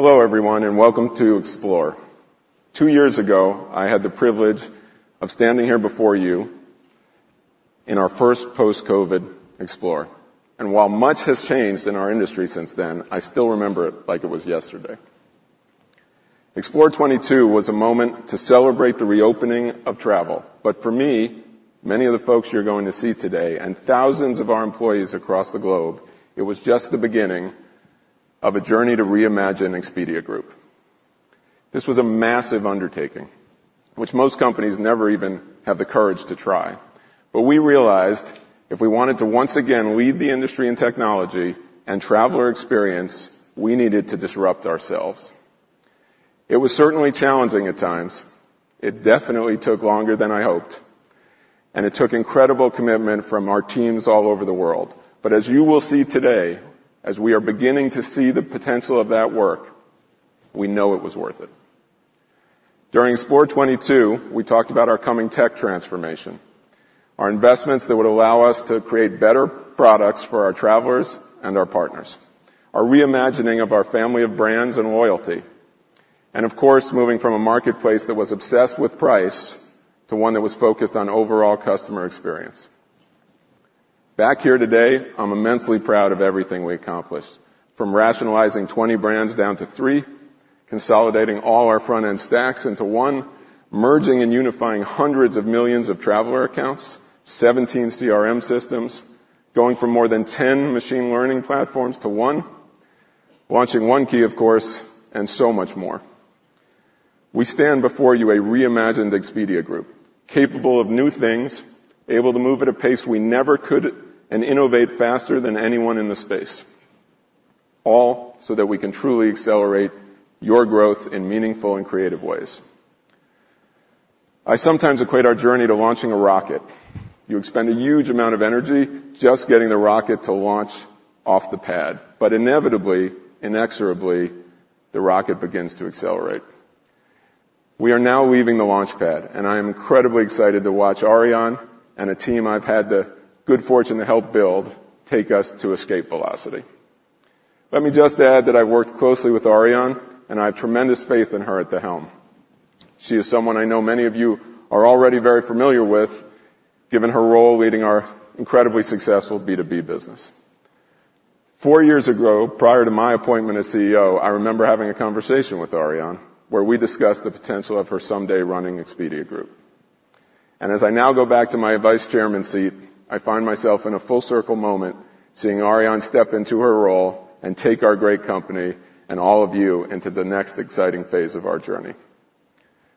Hello, everyone, and welcome to Explore. Two years ago, I had the privilege of standing here before you in our first post-COVID Explore, and while much has changed in our industry since then, I still remember it like it was yesterday. Explore '22 was a moment to celebrate the reopening of travel, but for me, many of the folks you're going to see today, and thousands of our employees across the globe, it was just the beginning of a journey to reimagine Expedia Group. This was a massive undertaking, which most companies never even have the courage to try. But we realized if we wanted to once again lead the industry in technology and traveler experience, we needed to disrupt ourselves. It was certainly challenging at times. It definitely took longer than I hoped, and it took incredible commitment from our teams all over the world. But as you will see today, as we are beginning to see the potential of that work, we know it was worth it. During Explore 2022, we talked about our coming tech transformation, our investments that would allow us to create better products for our travelers and our partners, our reimagining of our family of brands and loyalty, and of course, moving from a marketplace that was obsessed with price to one that was focused on overall customer experience. Back here today, I'm immensely proud of everything we accomplished, from rationalizing 20 brands down to three, consolidating all our front-end stacks into one, merging and unifying hundreds of millions of traveler accounts, 17 CRM systems, going from more than 10 machine learning platforms to one, launching One Key, of course, and so much more. We stand before you a reimagined Expedia Group, capable of new things, able to move at a pace we never could, and innovate faster than anyone in the space, all so that we can truly accelerate your growth in meaningful and creative ways. I sometimes equate our journey to launching a rocket. You expend a huge amount of energy just getting the rocket to launch off the pad, but inevitably, inexorably, the rocket begins to accelerate. We are now leaving the launchpad, and I am incredibly excited to watch Ariane and a team I've had the good fortune to help build, take us to escape velocity. Let me just add that I've worked closely with Ariane, and I have tremendous faith in her at the helm. She is someone I know many of you are already very familiar with, given her role leading our incredibly successful B2B business. Four years ago, prior to my appointment as CEO, I remember having a conversation with Ariane, where we discussed the potential of her someday running Expedia Group. As I now go back to my Vice Chairman seat, I find myself in a full circle moment, seeing Ariane step into her role and take our great company and all of you into the next exciting phase of our journey.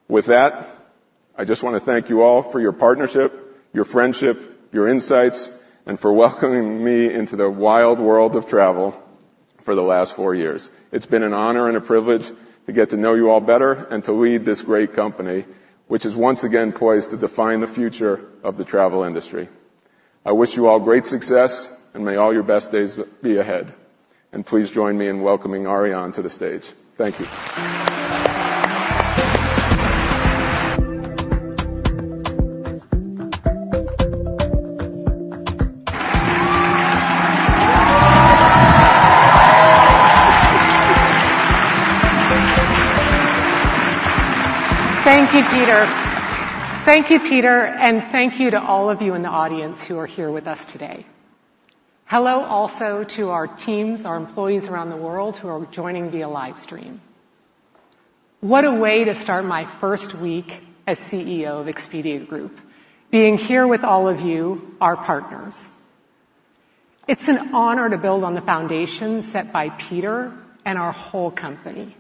With that, I just want to thank you all for your partnership, your friendship, your insights, and for welcoming me into the wild world of travel for the last four years. It's been an honor and a privilege to get to know you all better and to lead this great company, which is once again poised to define the future of the travel industry. I wish you all great success, and may all your best days be ahead. Please join me in welcoming Ariane to the stage. Thank you. Thank you, Peter. Thank you, Peter, and thank you to all of you in the audience who are here with us today. Hello, also to our teams, our employees around the world who are joining via live stream. What a way to start my first week as CEO of Expedia Group, being here with all of you, our partners. It's an honor to build on the foundation set by Peter and our whole company,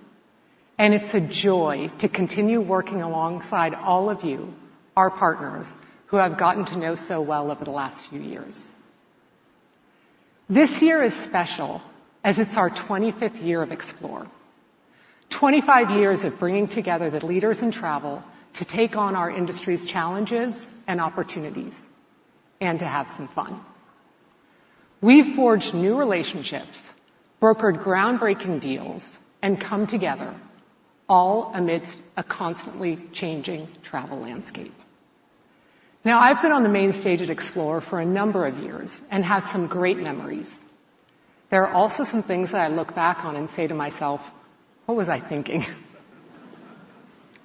and it's a joy to continue working alongside all of you, our partners, who I've gotten to know so well over the last few years. This year is special as it's our 25th year of Explore. 25 years of bringing together the leaders in travel to take on our industry's challenges and opportunities, and to have some fun. We've forged new relationships, brokered groundbreaking deals, and come together all amidst a constantly changing travel landscape. Now, I've been on the main stage at Explore for a number of years and have some great memories. There are also some things that I look back on and say to myself: "What was I thinking?"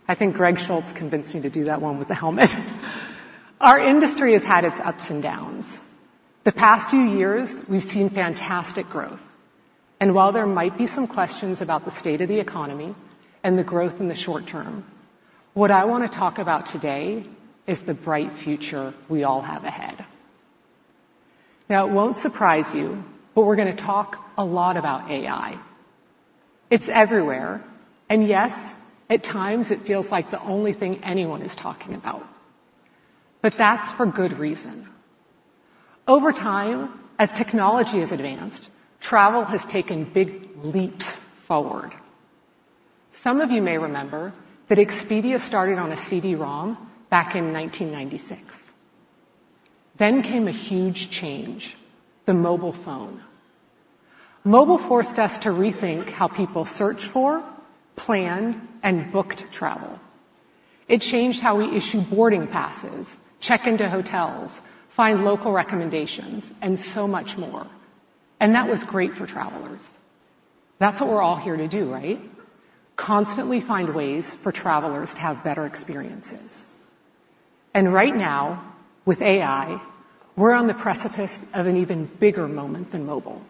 I think Greg Schulze convinced me to do that one with the helmet. Our industry has had its ups and downs. The past few years, we've seen fantastic growth, and while there might be some questions about the state of the economy and the growth in the short term, what I want to talk about today is the bright future we all have ahead. Now, it won't surprise you, but we're gonna talk a lot about AI. It's everywhere, and yes, at times it feels like the only thing anyone is talking about, but that's for good reason. Over time, as technology has advanced, travel has taken big leaps forward. Some of you may remember that Expedia started on a CD-ROM back in 1996. Then came a huge change, the mobile phone. Mobile forced us to rethink how people searched for, planned, and booked travel.... It changed how we issue boarding passes, check into hotels, find local recommendations, and so much more, and that was great for travelers. That's what we're all here to do, right? Constantly find ways for travelers to have better experiences. Right now, with AI, we're on the precipice of an even bigger moment than mobile.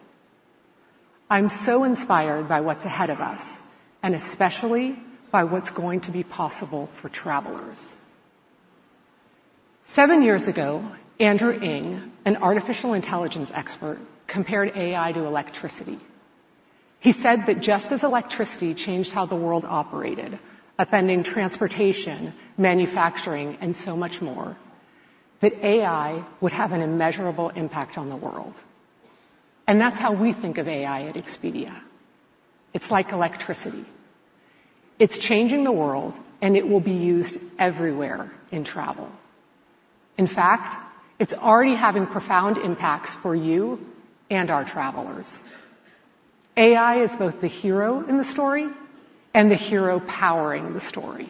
I'm so inspired by what's ahead of us, and especially by what's going to be possible for travelers. seven years ago, Andrew Ng, an artificial intelligence expert, compared AI to electricity. He said that just as electricity changed how the world operated, upending transportation, manufacturing, and so much more, that AI would have an immeasurable impact on the world, and that's how we think of AI at Expedia. It's like electricity. It's changing the world, and it will be used everywhere in travel. In fact, it's already having profound impacts for you and our travelers. AI is both the hero in the story and the hero powering the story.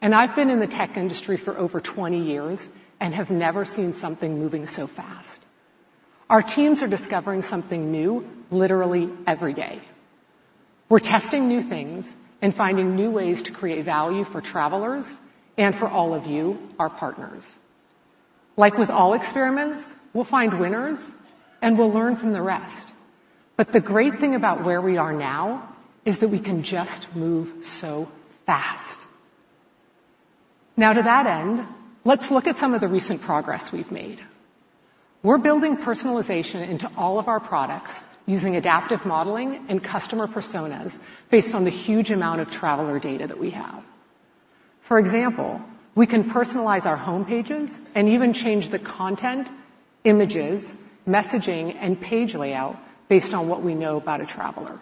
And I've been in the tech industry for over 20 years and have never seen something moving so fast. Our teams are discovering something new literally every day. We're testing new things and finding new ways to create value for travelers and for all of you, our partners. Like with all experiments, we'll find winners, and we'll learn from the rest. The great thing about where we are now is that we can just move so fast. Now, to that end, let's look at some of the recent progress we've made. We're building personalization into all of our products using adaptive modeling and customer personas based on the huge amount of traveler data that we have. For example, we can personalize our homepages and even change the content, images, messaging, and page layout based on what we know about a traveler.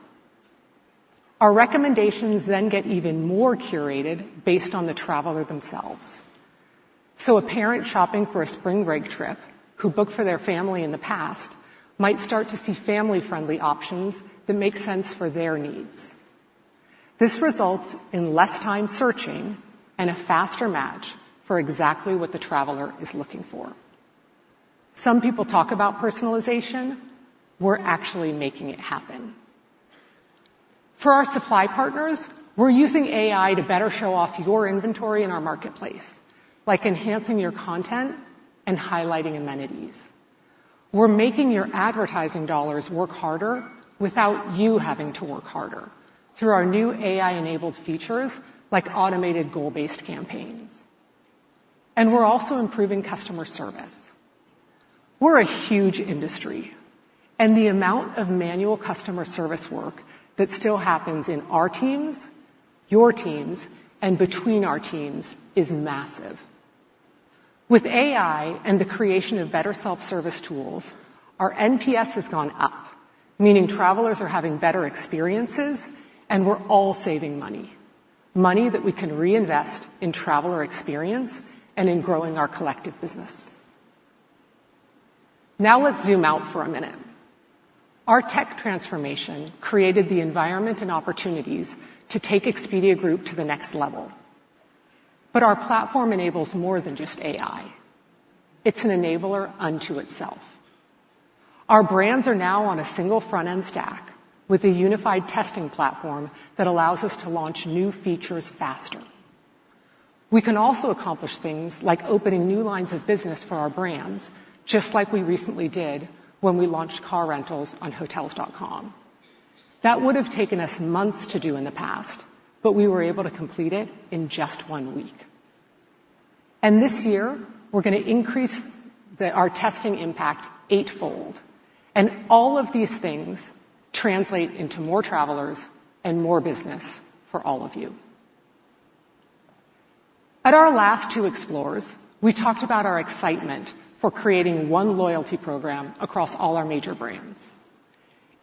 Our recommendations then get even more curated based on the traveler themselves. A parent shopping for a spring break trip, who booked for their family in the past, might start to see family-friendly options that make sense for their needs. This results in less time searching and a faster match for exactly what the traveler is looking for. Some people talk about personalization. We're actually making it happen. For our supply partners, we're using AI to better show off your inventory in our marketplace, like enhancing your content and highlighting amenities. We're making your advertising dollars work harder without you having to work harder through our new AI-enabled features, like automated goal-based campaigns. We're also improving customer service. We're a huge industry, and the amount of manual customer service work that still happens in our teams, your teams, and between our teams is massive. With AI and the creation of better self-service tools, our NPS has gone up, meaning travelers are having better experiences, and we're all saving money, money that we can reinvest in traveler experience and in growing our collective business. Now, let's zoom out for a minute. Our tech transformation created the environment and opportunities to take Expedia Group to the next level. But our platform enables more than just AI. It's an enabler unto itself. Our brands are now on a single front-end stack with a unified testing platform that allows us to launch new features faster. We can also accomplish things like opening new lines of business for our brands, just like we recently did when we launched car rentals on Hotels.com. That would have taken us months to do in the past, but we were able to complete it in just one week. And this year, we're going to increase our testing impact eightfold, and all of these things translate into more travelers and more business for all of you. At our last two Explores, we talked about our excitement for creating one loyalty program across all our major brands.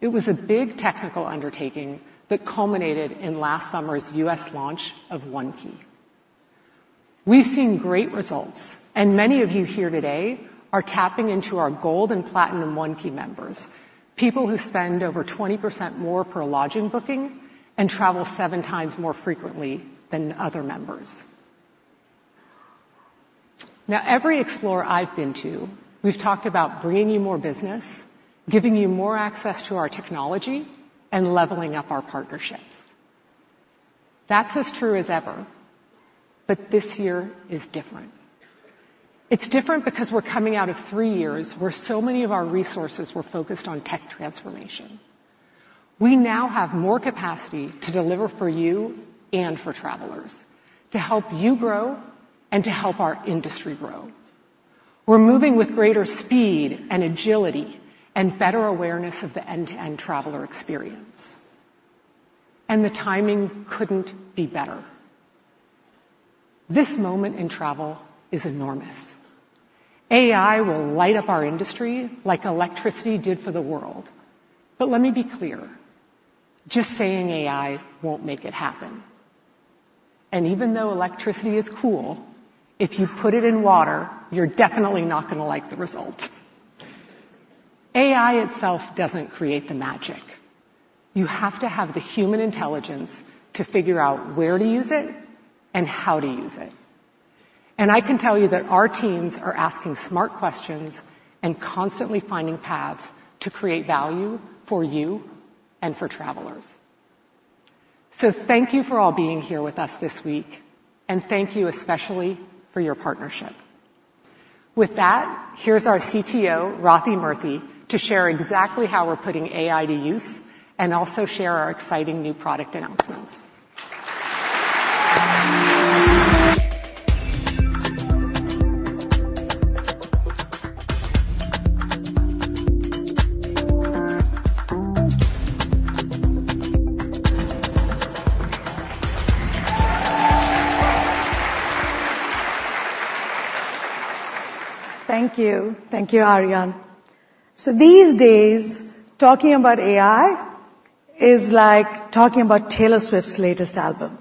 It was a big technical undertaking that culminated in last summer's U.S. launch of One Key. We've seen great results, and many of you here today are tapping into our Gold and Platinum One Key members, people who spend over 20% more per lodging booking and travel 7 times more frequently than other members. Now, every Explore I've been to, we've talked about bringing you more business, giving you more access to our technology, and leveling up our partnerships. That's as true as ever, but this year is different. It's different because we're coming out of three years where so many of our resources were focused on tech transformation. We now have more capacity to deliver for you and for travelers, to help you grow and to help our industry grow. We're moving with greater speed and agility and better awareness of the end-to-end traveler experience, and the timing couldn't be better. This moment in travel is enormous. AI will light up our industry like electricity did for the world. But let me be clear, just saying AI won't make it happen. And even though electricity is cool, if you put it in water, you're definitely not gonna like the result.... AI itself doesn't create the magic. You have to have the human intelligence to figure out where to use it and how to use it. And I can tell you that our teams are asking smart questions and constantly finding paths to create value for you and for travelers. So thank you for all being here with us this week, and thank you especially for your partnership. With that, here's our CTO, Rathi Murthy, to share exactly how we're putting AI to use and also share our exciting new product announcements. Thank you. Thank you, Ariane. So these days, talking about AI is like talking about Taylor Swift's latest album.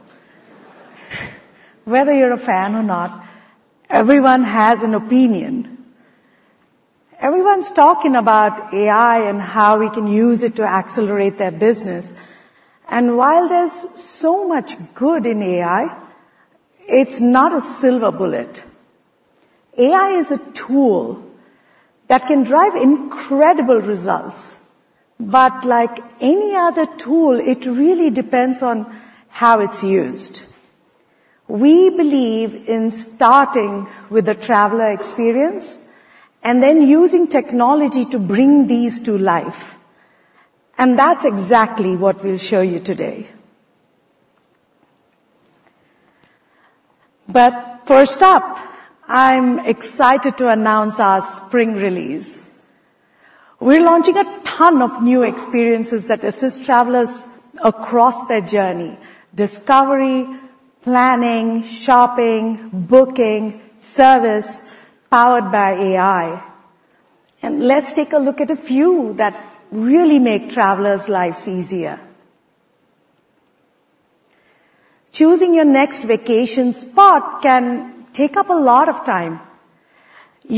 Whether you're a fan or not, everyone has an opinion. Everyone's talking about AI and how we can use it to accelerate their business. And while there's so much good in AI, it's not a silver bullet. AI is a tool that can drive incredible results, but like any other tool, it really depends on how it's used. We believe in starting with the traveler experience and then using technology to bring these to life, and that's exactly what we'll show you today. But first up, I'm excited to announce our spring release. We're launching a ton of new experiences that assist travelers across their journey: discovery, planning, shopping, booking, service, powered by AI. And let's take a look at a few that really make travelers' lives easier. Choosing your next vacation spot can take up a lot of time.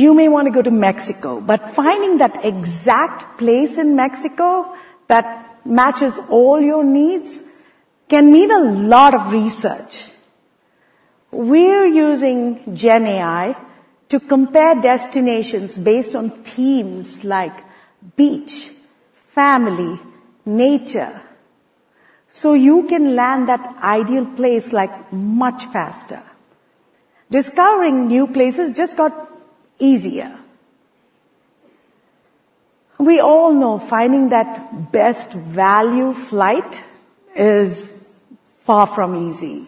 You may want to go to Mexico, but finding that exact place in Mexico that matches all your needs can need a lot of research. We're using GenAI to compare destinations based on themes like beach, family, nature, so you can land that ideal place, like, much faster. Discovering new places just got easier. We all know finding that best value flight is far from easy.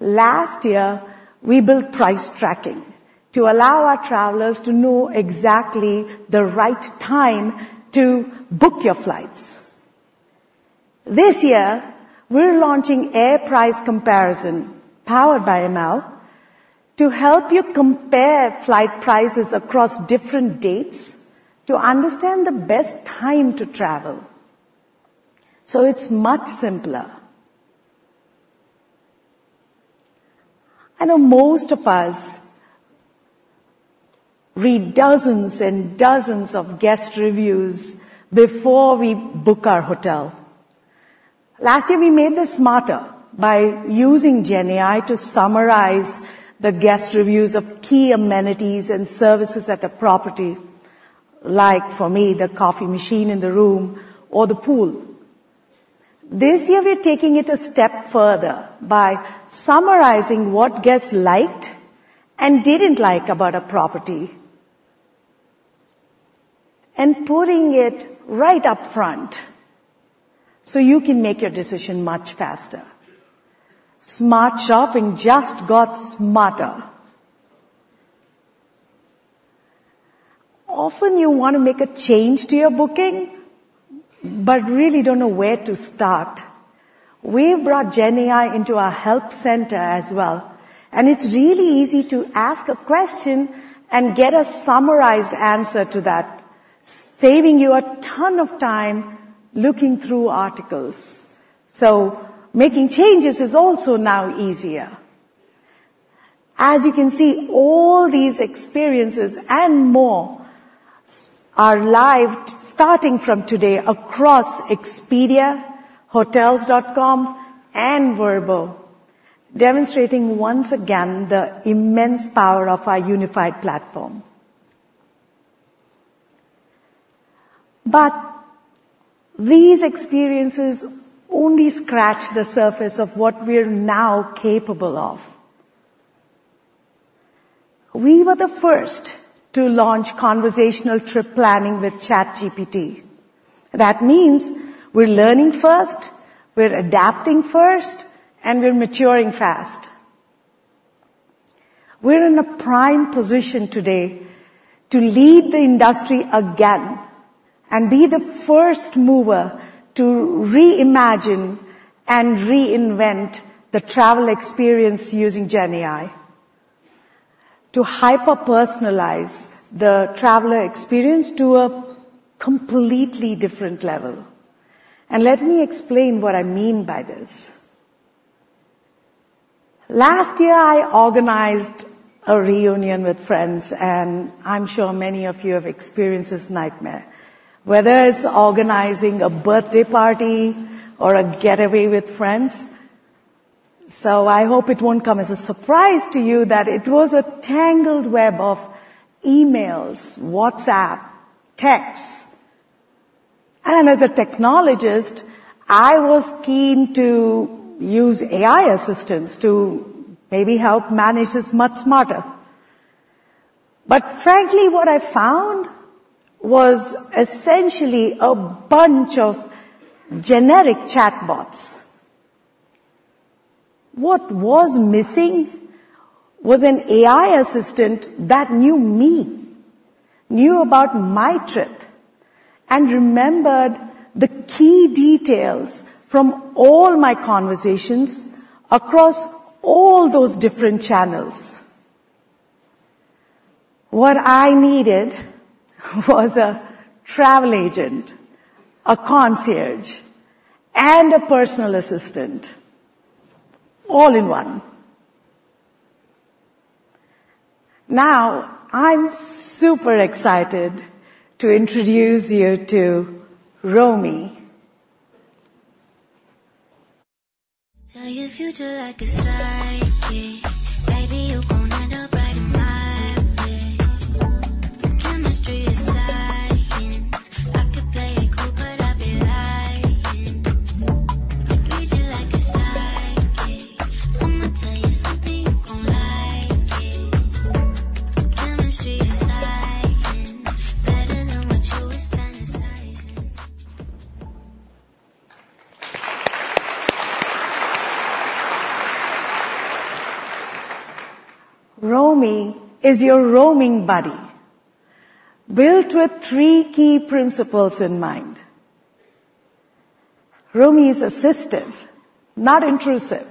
Last year, we built price tracking to allow our travelers to know exactly the right time to book your flights. This year, we're launching air price comparison, powered by ML, to help you compare flight prices across different dates to understand the best time to travel, so it's much simpler. I know most of us read dozens and dozens of guest reviews before we book our hotel. Last year, we made this smarter by using GenAI to summarize the guest reviews of key amenities and services at a property, like, for me, the coffee machine in the room or the pool. This year, we're taking it a step further by summarizing what guests liked and didn't like about a property, and putting it right up front, so you can make your decision much faster. Smart shopping just got smarter. Often, you want to make a change to your booking, but really don't know where to start. We've brought GenAI into our help center as well, and it's really easy to ask a question and get a summarized answer to that, saving you a ton of time looking through articles. Making changes is also now easier. As you can see, all these experiences and more are live starting from today across Expedia, Hotels.com, and Vrbo, demonstrating once again the immense power of our unified platform. But these experiences only scratch the surface of what we're now capable of. We were the first to launch conversational trip planning with ChatGPT. That means we're learning first, we're adapting first, and we're maturing fast. We're in a prime position today to lead the industry again and be the first mover to reimagine and reinvent the travel experience using GenAI, to hyper-personalize the traveler experience to a completely different level, and let me explain what I mean by this. Last year, I organized a reunion with friends, and I'm sure many of you have experienced this nightmare, whether it's organizing a birthday party or a getaway with friends. So I hope it won't come as a surprise to you that it was a tangled web of emails, WhatsApp, texts, and as a technologist, I was keen to use AI assistants to maybe help manage this much smarter. But frankly, what I found was essentially a bunch of generic chatbots. What was missing was an AI assistant that knew me, knew about my trip, and remembered the key details from all my conversations across all those different channels. What I needed was a travel agent, a concierge, and a personal assistant, all in one. Now, I'm super excited to introduce you to Romie. Tell your future like a psychic. Baby, you gon' end up right in my bed. Chemistry is science. I could play it cool, but I'd be lying. I read you like a psychic. I'mma tell you something, you gon' like it. Chemistry is science. Better than what you was fantasizing. Romie is your roaming buddy, built with three key principles in mind. Romie is assistive, not intrusive,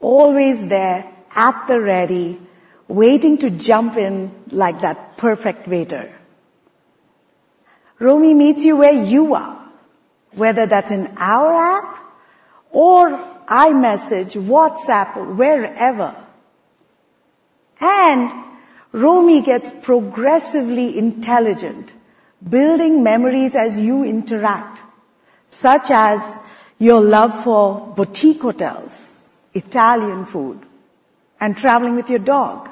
always there at the ready, waiting to jump in like that perfect waiter. Romie meets you where you are, whether that's in our app or iMessage, WhatsApp, wherever. And Romie gets progressively intelligent, building memories as you interact, such as your love for boutique hotels, Italian food, and traveling with your dog.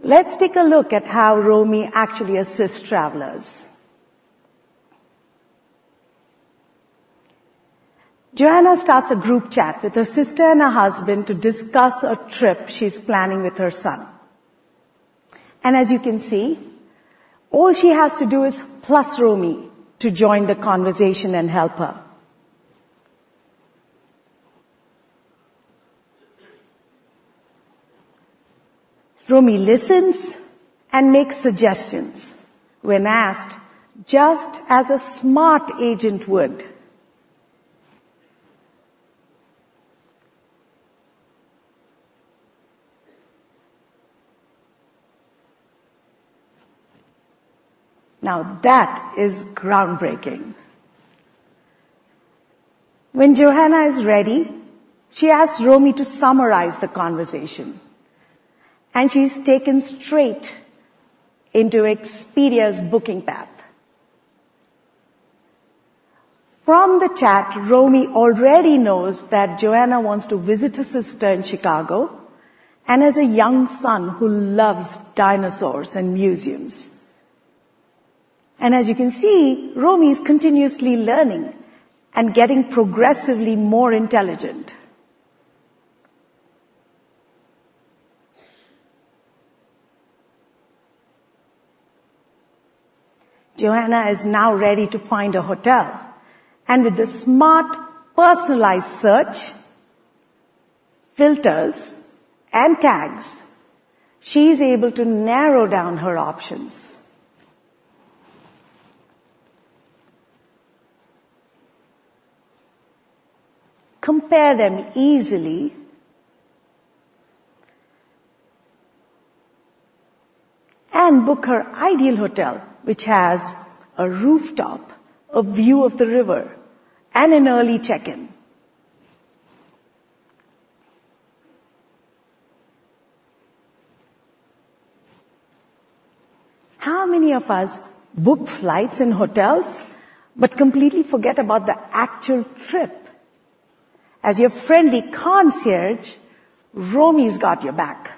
Let's take a look at how Romie actually assists travelers. Joanna starts a group chat with her sister and her husband to discuss a trip she's planning with her son. And as you can see, all she has to do is plus Romie to join the conversation and help her. Romie listens and makes suggestions when asked, just as a smart agent would. Now, that is groundbreaking. When Joanna is ready, she asks Romie to summarize the conversation, and she's taken straight into Expedia's booking path. From the chat, Romie already knows that Joanna wants to visit her sister in Chicago and has a young son who loves dinosaurs and museums. And as you can see, Romie is continuously learning and getting progressively more intelligent. Joanna is now ready to find a hotel, and with the smart, personalized search, filters, and tags, she's able to narrow down her options, compare them easily, and book her ideal hotel, which has a rooftop, a view of the river, and an early check-in. How many of us book flights and hotels but completely forget about the actual trip? As your friendly concierge, Romie's got your back.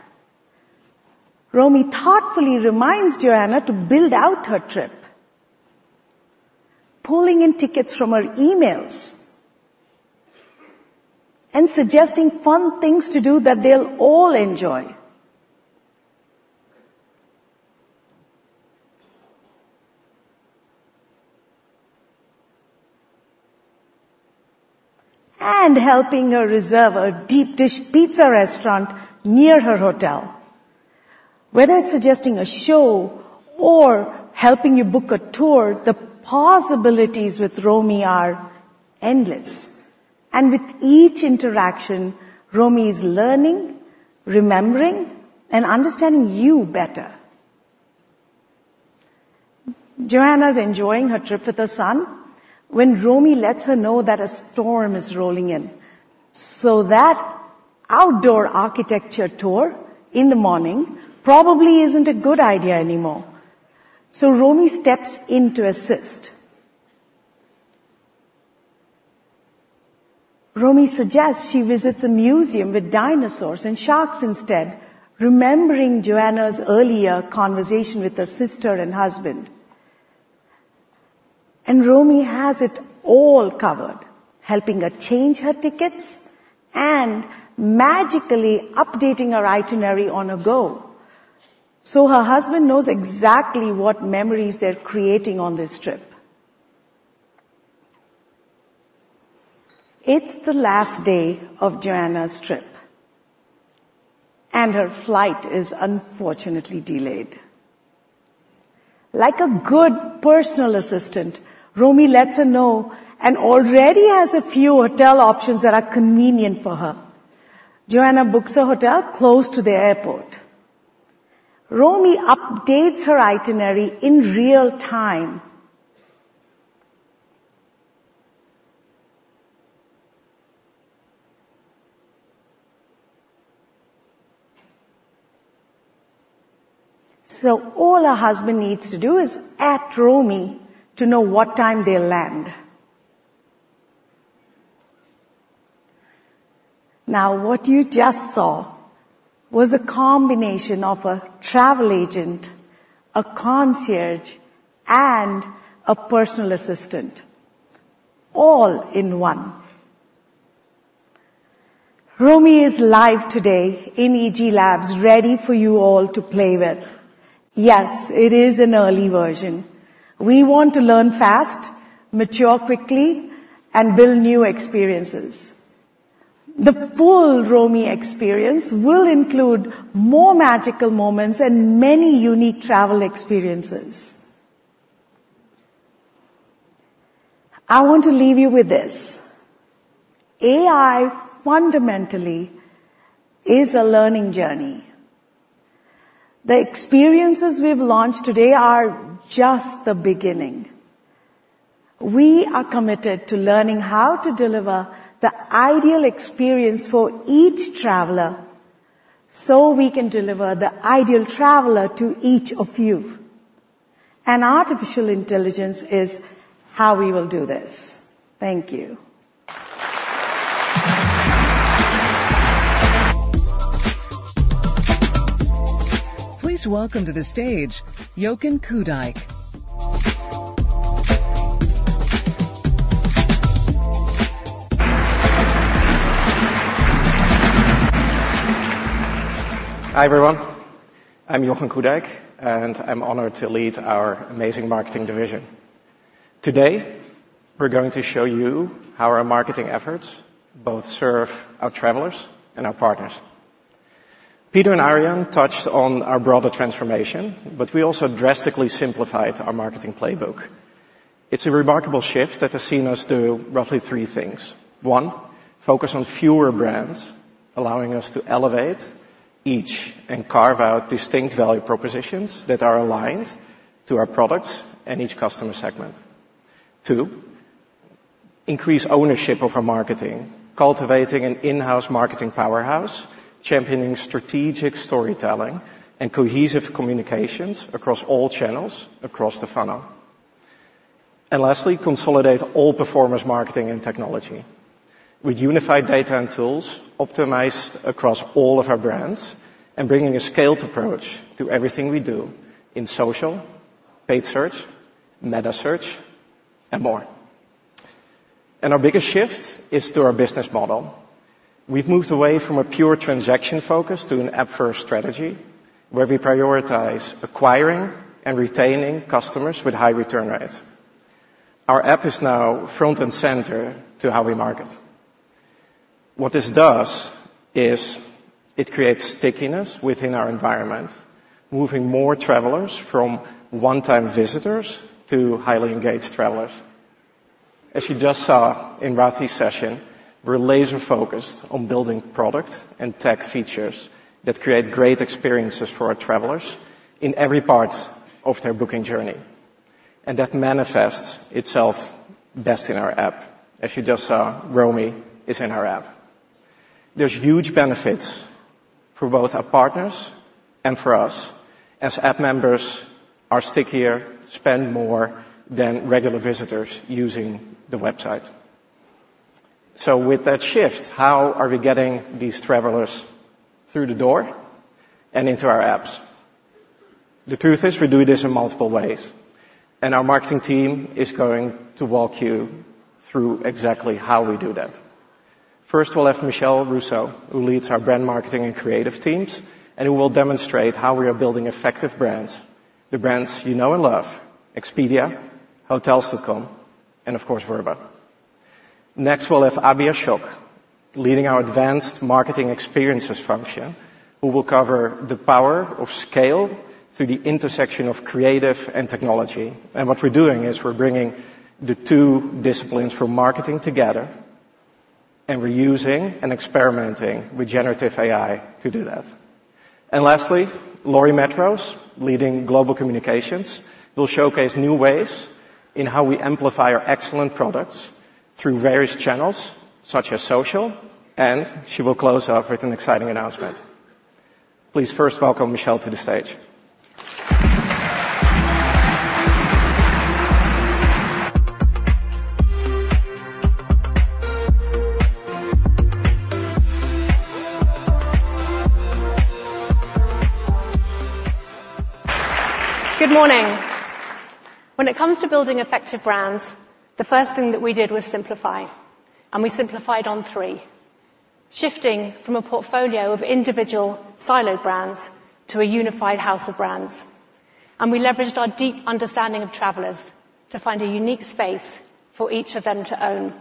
Romie thoughtfully reminds Joanna to build out her trip, pulling in tickets from her emails and suggesting fun things to do that they'll all enjoy, and helping her reserve a deep dish pizza restaurant near her hotel. Whether it's suggesting a show or helping you book a tour, the possibilities with Romie are endless, and with each interaction, Romie is learning, remembering, and understanding you better... Joanna's enjoying her trip with her son when Romie lets her know that a storm is rolling in. So that outdoor architecture tour in the morning probably isn't a good idea anymore. So Romie steps in to assist. Romie suggests she visits a museum with dinosaurs and sharks instead, remembering Joanna's earlier conversation with her sister and husband. Romie has it all covered, helping her change her tickets and magically updating her itinerary on the go, so her husband knows exactly what memories they're creating on this trip. It's the last day of Joanna's trip, and her flight is unfortunately delayed. Like a good personal assistant, Romie lets her know and already has a few hotel options that are convenient for her. Joanna books a hotel close to the airport. Romie updates her itinerary in real time. All her husband needs to do is @Romie to know what time they'll land. Now, what you just saw was a combination of a travel agent, a concierge, and a personal assistant, all in one. Romie is live today in EG Labs, ready for you all to play with. Yes, it is an early version. We want to learn fast, mature quickly, and build new experiences. The full Romie experience will include more magical moments and many unique travel experiences. I want to leave you with this: AI, fundamentally, is a learning journey. The experiences we've launched today are just the beginning. We are committed to learning how to deliver the ideal experience for each traveler, so we can deliver the ideal traveler to each of you. Artificial intelligence is how we will do this. Thank you. Please welcome to the stage, Jochen Koedijk. Hi, everyone. I'm Jochen Koedijk, and I'm honored to lead our amazing marketing division. Today, we're going to show you how our marketing efforts both serve our travelers and our partners. Peter and Ariane touched on our broader transformation, but we also drastically simplified our marketing playbook. It's a remarkable shift that has seen us do roughly three things. One, focus on fewer brands, allowing us to elevate each and carve out distinct value propositions that are aligned to our products and each customer segment. Two, increase ownership of our marketing, cultivating an in-house marketing powerhouse, championing strategic storytelling and cohesive communications across all channels, across the funnel. And lastly, consolidate all performance marketing and technology. With unified data and tools, optimized across all of our brands and bringing a scaled approach to everything we do in social, paid search, metasearch, and more. Our biggest shift is to our business model. We've moved away from a pure transaction focus to an app-first strategy, where we prioritize acquiring and retaining customers with high return rates. Our app is now front and center to how we market. What this does is it creates stickiness within our environment, moving more travelers from one-time visitors to highly engaged travelers. As you just saw in Rathi's session, we're laser-focused on building products and tech features that create great experiences for our travelers in every part of their booking journey, and that manifests itself best in our app. As you just saw, Romie is in our app. There's huge benefits for both our partners and for us, as app members are stickier, spend more than regular visitors using the website. So with that shift, how are we getting these travelers through the door and into our apps? The truth is, we do this in multiple ways, and our marketing team is going to walk you through exactly how we do that. First, we'll have Michelle Russo, who leads our brand marketing and creative teams, and who will demonstrate how we are building effective brands, the brands you know and love, Expedia, Hotels.com, and of course, Vrbo. Next, we'll have Abhi Ashok, leading our advanced marketing experiences function, who will cover the power of scale through the intersection of creative and technology. What we're doing is we're bringing the two disciplines from marketing together and we're using and experimenting with generative AI to do that. Lastly, Lauri Metrose, leading Global Communications, will showcase new ways in how we amplify our excellent products through various channels, such as social, and she will close off with an exciting announcement. Please first welcome Michelle to the stage. Good morning. When it comes to building effective brands, the first thing that we did was simplify, and we simplified on three. Shifting from a portfolio of individual siloed brands to a unified house of brands, and we leveraged our deep understanding of travelers to find a unique space for each of them to own.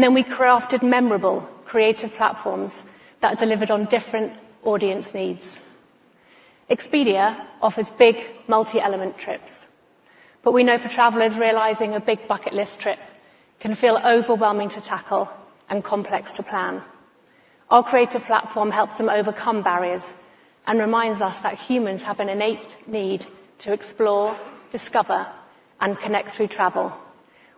Then we crafted memorable, creative platforms that delivered on different audience needs. Expedia offers big, multi-element trips, but we know for travelers, realizing a big bucket list trip can feel overwhelming to tackle and complex to plan. Our creative platform helps them overcome barriers and reminds us that humans have an innate need to explore, discover, and connect through travel.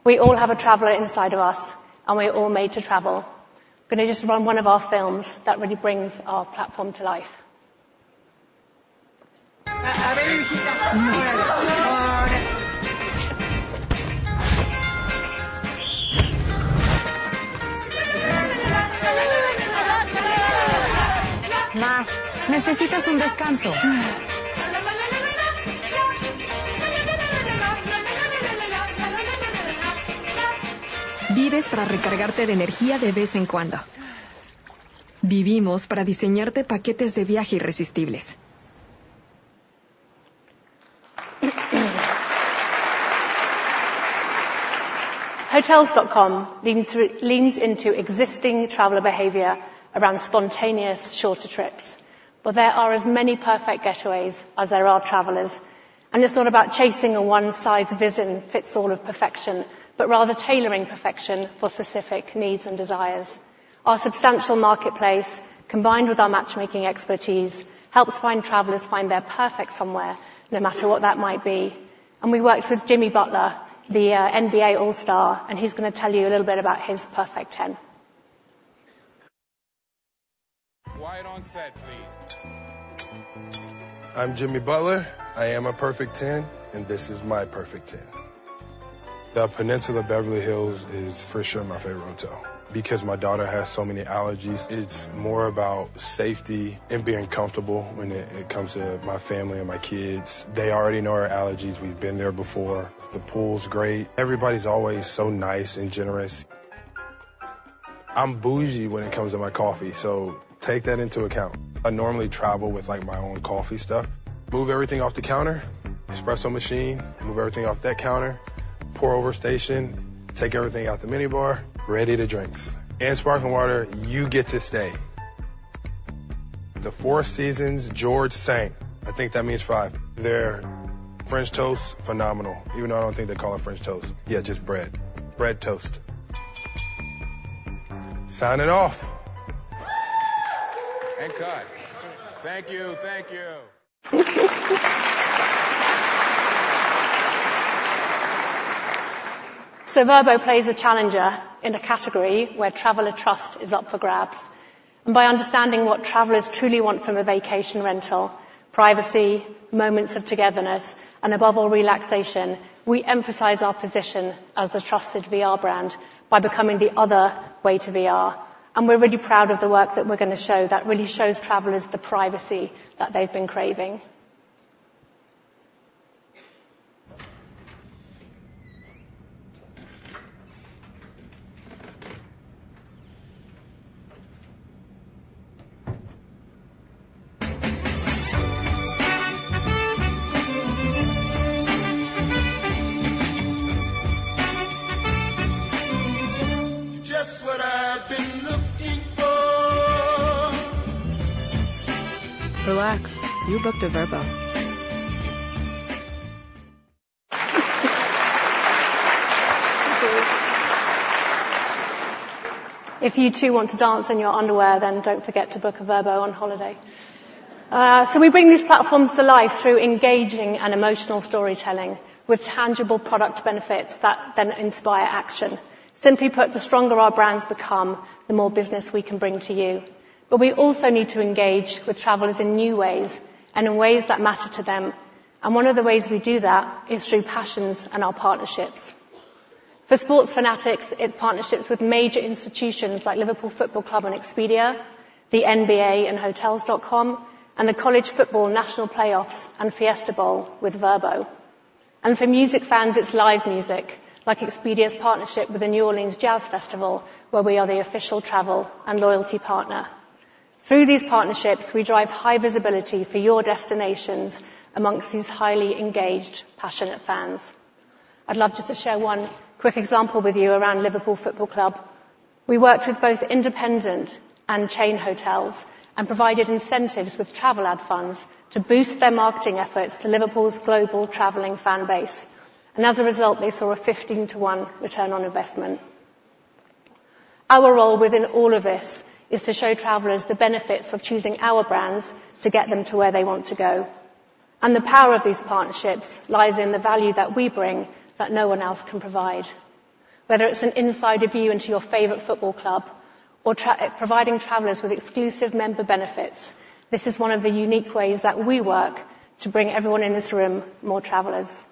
We all have a traveler inside of us, and we're all made to travel. I'm gonna just run one of our films that really brings our platform to life. Hotels.com leans into existing traveler behavior around spontaneous, shorter trips, but there are as many perfect getaways as there are travelers, and it's not about chasing a one-size-fits-all of perfection, but rather tailoring perfection for specific needs and desires. Our substantial marketplace, combined with our matchmaking expertise, helps travelers find their perfect somewhere, no matter what that might be. We worked with Jimmy Butler, the NBA All-Star, and he's gonna tell you a little bit about his perfect ten. Quiet on set, please. I'm Jimmy Butler. I am a perfect ten, and this is my perfect ten. The Peninsula Beverly Hills is for sure my favorite hotel. Because my daughter has so many allergies, it's more about safety and being comfortable when it comes to my family and my kids. They already know her allergies. We've been there before. The pool's great. Everybody's always so nice and generous. I'm bougie when it comes to my coffee, so take that into account. I normally travel with, like, my own coffee stuff. Move everything off the counter. Espresso machine, move everything off that counter. Pour over station, take everything out the mini bar. Ready-to-drinks and sparkling water, you get to stay. The Four Seasons George V. I think that means five. Their French toast, phenomenal, even though I don't think they call it French toast. Yeah, just bread. Bread toast. Signing off. And cut! Thank you. Thank you. Vrbo plays a challenger in a category where traveler trust is up for grabs. By understanding what travelers truly want from a vacation rental: privacy, moments of togetherness, and, above all, relaxation, we emphasize our position as the trusted VR brand by becoming the other way to VR. We're really proud of the work that we're gonna show that really shows travelers the privacy that they've been craving. Just what I've been looking for. Relax, you booked a Vrbo. Thank you. If you too want to dance in your underwear, then don't forget to book a Vrbo on holiday. So we bring these platforms to life through engaging and emotional storytelling, with tangible product benefits that then inspire action. Simply put, the stronger our brands become, the more business we can bring to you. But we also need to engage with travelers in new ways and in ways that matter to them, and one of the ways we do that is through passions and our partnerships. For sports fanatics, it's partnerships with major institutions like Liverpool Football Club on Expedia, the NBA in Hotels.com, and the College Football Playoff and Fiesta Bowl with Vrbo. And for music fans, it's live music, like Expedia's partnership with the New Orleans Jazz & Heritage Festival, where we are the official travel and loyalty partner. Through these partnerships, we drive high visibility for your destinations amongst these highly engaged, passionate fans. I'd love just to share one quick example with you around Liverpool Football Club. We worked with both independent and chain hotels and provided incentives with travel ad funds to boost their marketing efforts to Liverpool's global traveling fan base. And as a result, they saw a 15 to one return on investment. Our role within all of this is to show travelers the benefits of choosing our brands to get them to where they want to go. And the power of these partnerships lies in the value that we bring that no one else can provide. Whether it's an insider view into your favorite football club or providing travelers with exclusive member benefits, this is one of the unique ways that we work to bring everyone in this room more travelers.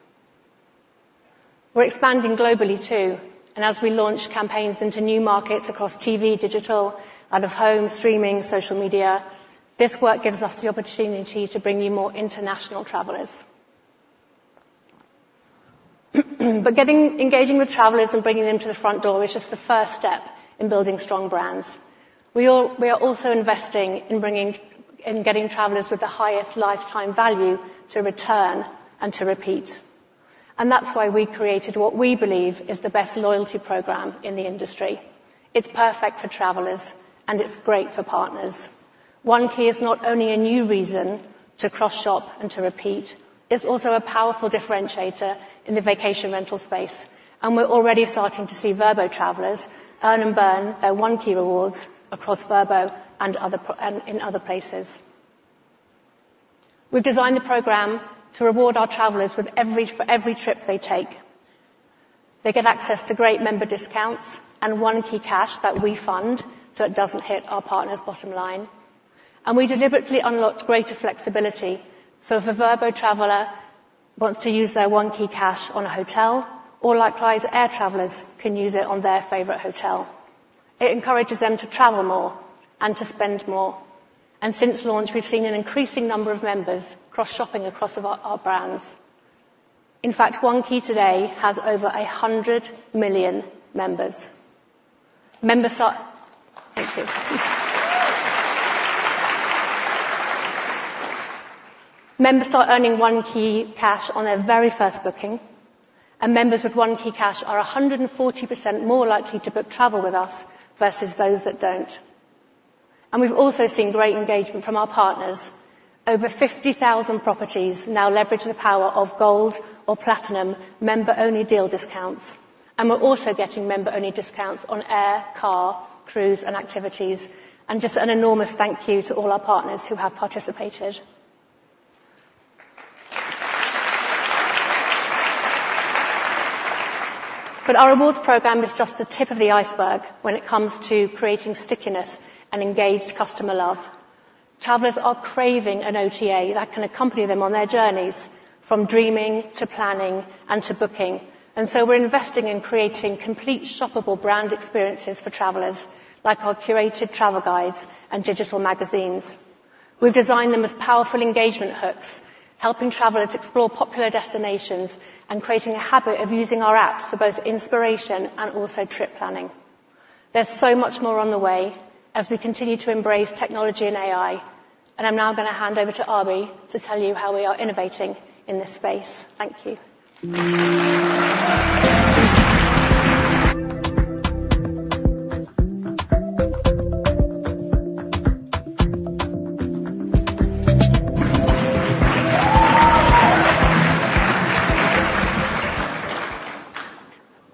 We're expanding globally, too, and as we launch campaigns into new markets across TV, digital, out-of-home, streaming, social media, this work gives us the opportunity to bring you more international travelers. But engaging with travelers and bringing them to the front door is just the first step in building strong brands. We are also investing in getting travelers with the highest lifetime value to return and to repeat. And that's why we created what we believe is the best loyalty program in the industry. It's perfect for travelers, and it's great for partners. One Key is not only a new reason to cross-shop and to repeat, it's also a powerful differentiator in the vacation rental space, and we're already starting to see Vrbo travelers earn and burn their One Key rewards across Vrbo and other places. We've designed the program to reward our travelers with every... for every trip they take. They get access to great member discounts and OneKeyCash that we fund, so it doesn't hit our partners' bottom line. And we deliberately unlocked greater flexibility, so if a Vrbo traveler wants to use their OneKeyCash on a hotel, or likewise, air travelers can use it on their favorite hotel. It encourages them to travel more and to spend more. And since launch, we've seen an increasing number of members cross-shopping across our brands. In fact, One Key today has over 100 million members. Members are- Thank you. Members are earning OneKeyCash on their very first booking, and members with OneKeyCash are 140% more likely to book travel with us versus those that don't. We've also seen great engagement from our partners. Over 50,000 properties now leverage the power of gold or platinum member-only deal discounts, and we're also getting member-only discounts on air, car, cruise, and activities. Just an enormous thank you to all our partners who have participated. Our rewards program is just the tip of the iceberg when it comes to creating stickiness and engaged customer love. Travelers are craving an OTA that can accompany them on their journeys, from dreaming to planning and to booking. We're investing in creating complete shoppable brand experiences for travelers, like our curated travel guides and digital magazines. We've designed them with powerful engagement hooks, helping travelers explore popular destinations and creating a habit of using our apps for both inspiration and also trip planning. There's so much more on the way as we continue to embrace technology and AI, and I'm now going to hand over to Abhi to tell you how we are innovating in this space. Thank you.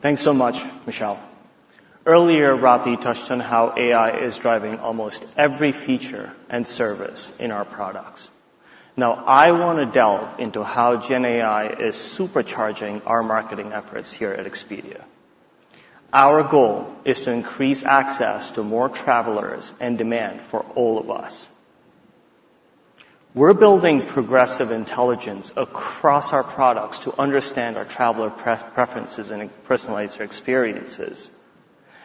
Thanks so much, Michelle. Earlier, Rathi touched on how AI is driving almost every feature and service in our products. Now, I want to delve into how Gen AI is supercharging our marketing efforts here at Expedia. Our goal is to increase access to more travelers and demand for all of us. We're building progressive intelligence across our products to understand our traveler preferences and personalize their experiences.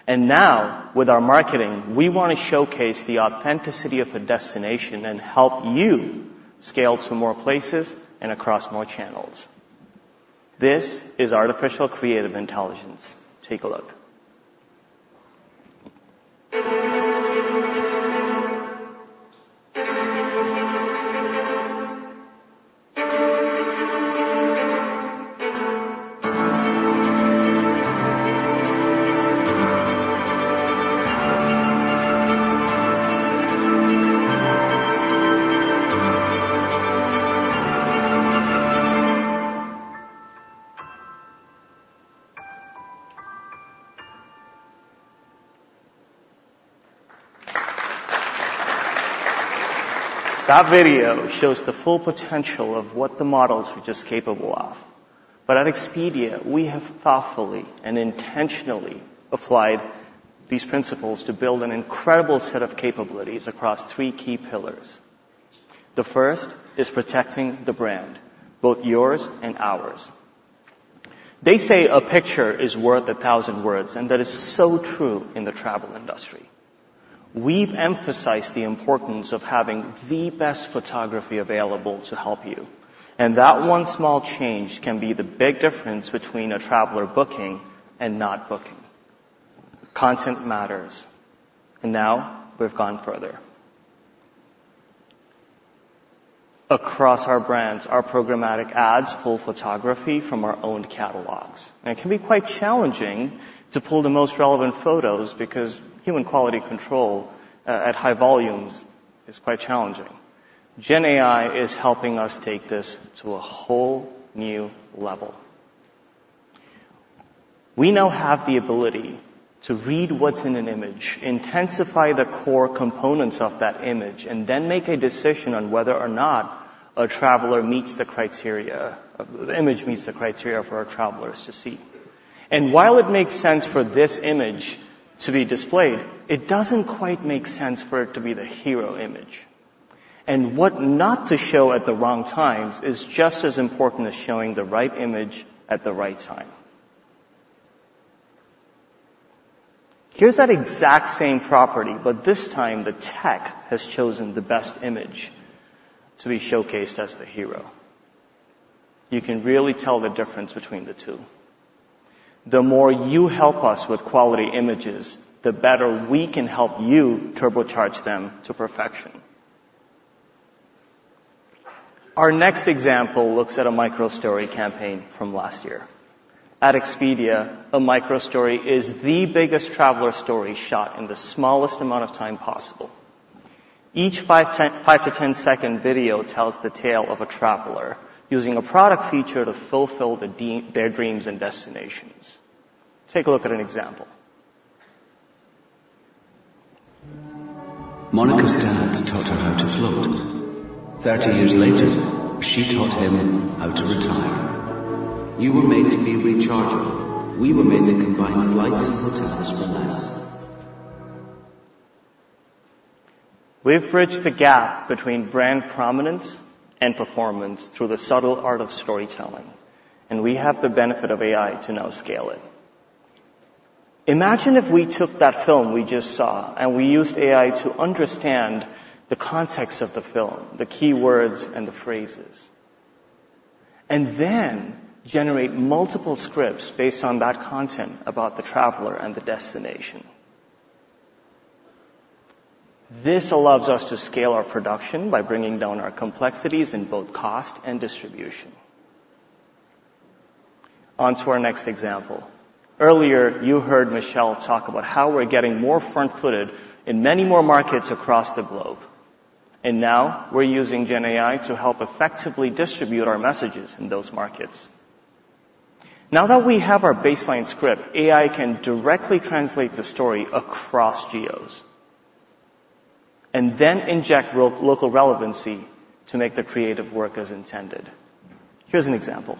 Now, with our marketing, we want to showcase the authenticity of a destination and help you scale to more places and across more channels. This is artificial creative intelligence. Take a look. That video shows the full potential of what the models were just capable of. But at Expedia, we have thoughtfully and intentionally applied these principles to build an incredible set of capabilities across three key pillars. The first is protecting the brand, both yours and ours. They say a picture is worth a thousand words, and that is so true in the travel industry. We've emphasized the importance of having the best photography available to help you, and that one small change can be the big difference between a traveler booking and not booking. Content matters, and now we've gone further. Across our brands, our programmatic ads pull photography from our own catalogs. It can be quite challenging to pull the most relevant photos because human quality control, at high volumes is quite challenging. Gen AI is helping us take this to a whole new level. We now have the ability to read what's in an image, intensify the core components of that image, and then make a decision on whether or not a traveler meets the criteria, the image meets the criteria for our travelers to see. And while it makes sense for this image to be displayed, it doesn't quite make sense for it to be the hero image. What not to show at the wrong times is just as important as showing the right image at the right time. Here's that exact same property, but this time the tech has chosen the best image to be showcased as the hero. You can really tell the difference between the two. The more you help us with quality images, the better we can help you turbocharge them to perfection. Our next example looks at a micro-story campaign from last year. At Expedia, a micro-story is the biggest traveler story shot in the smallest amount of time possible. Each five to 10 second video tells the tale of a traveler using a product feature to fulfill their dreams and destinations. Take a look at an example. Monica's dad taught her how to float. 30 years later, she taught him how to retire. You were made to be rechargeable. We were made to combine flights and hotels for less. We've bridged the gap between brand prominence and performance through the subtle art of storytelling, and we have the benefit of AI to now scale it. Imagine if we took that film we just saw, and we used AI to understand the context of the film, the keywords and the phrases, and then generate multiple scripts based on that content about the traveler and the destination. This allows us to scale our production by bringing down our complexities in both cost and distribution. On to our next example. Earlier, you heard Michelle talk about how we're getting more front-footed in many more markets across the globe, and now we're using Gen AI to help effectively distribute our messages in those markets. Now that we have our baseline script, AI can directly translate the story across geos and then inject local relevancy to make the creative work as intended. Here's an example.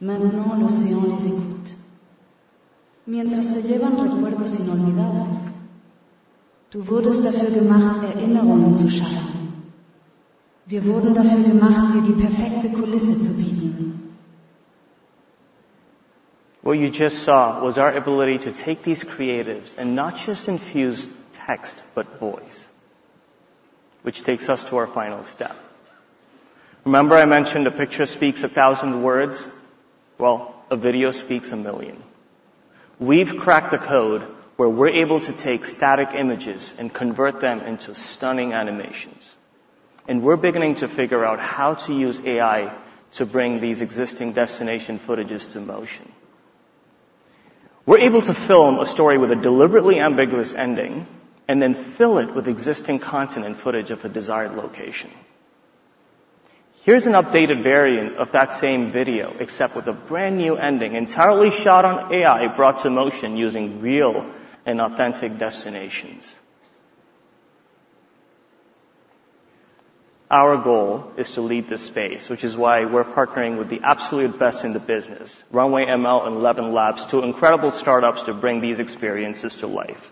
What you just saw was our ability to take these creatives and not just infuse text, but voice, which takes us to our final step. Remember I mentioned a picture speaks a thousand words? Well, a video speaks a million. We've cracked the code where we're able to take static images and convert them into stunning animations, and we're beginning to figure out how to use AI to bring these existing destination footages to motion. We're able to film a story with a deliberately ambiguous ending, and then fill it with existing content and footage of a desired location. Here's an updated variant of that same video, except with a brand-new ending, entirely shot on AI, brought to motion using real and authentic destinations. Our goal is to lead this space, which is why we're partnering with the absolute best in the business, Runway ML and ElevenLabs, two incredible startups, to bring these experiences to life.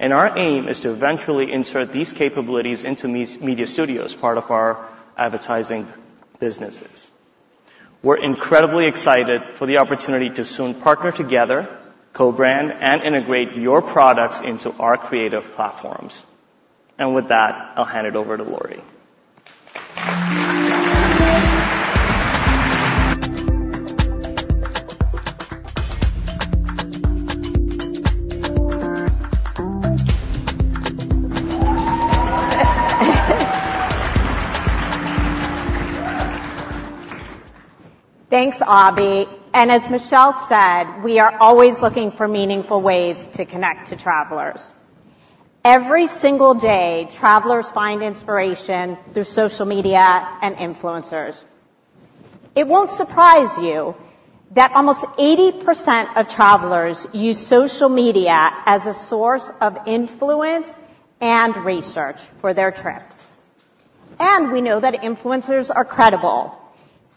Our aim is to eventually insert these capabilities into media studios, part of our advertising businesses. We're incredibly excited for the opportunity to soon partner together, co-brand, and integrate your products into our creative platforms. With that, I'll hand it over to Lauri. Thanks, Abhi. And as Michelle said, we are always looking for meaningful ways to connect to travelers. Every single day, travelers find inspiration through social media and influencers. It won't surprise you that almost 80% of travelers use social media as a source of influence and research for their trips. And we know that influencers are credible.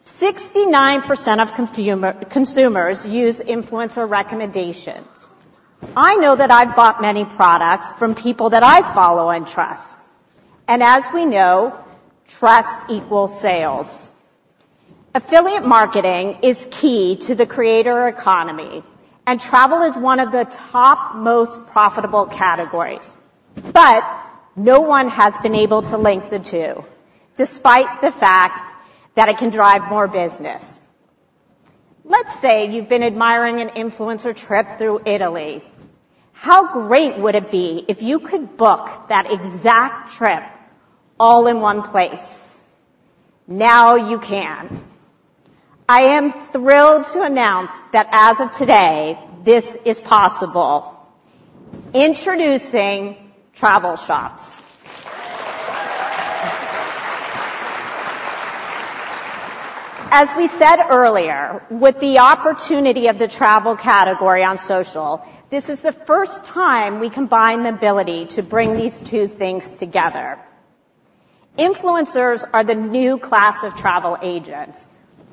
69% of consumers use influencer recommendations. I know that I've bought many products from people that I follow and trust, and as we know, trust equals sales. Affiliate marketing is key to the creator economy, and travel is one of the top most profitable categories, but no one has been able to link the two, despite the fact that it can drive more business. Let's say you've been admiring an influencer trip through Italy. How great would it be if you could book that exact trip all in one place? I am thrilled to announce that as of today, this is possible. Introducing Travel Shops. As we said earlier, with the opportunity of the travel category on social, this is the first time we combine the ability to bring these two things together. Influencers are the new class of travel agents,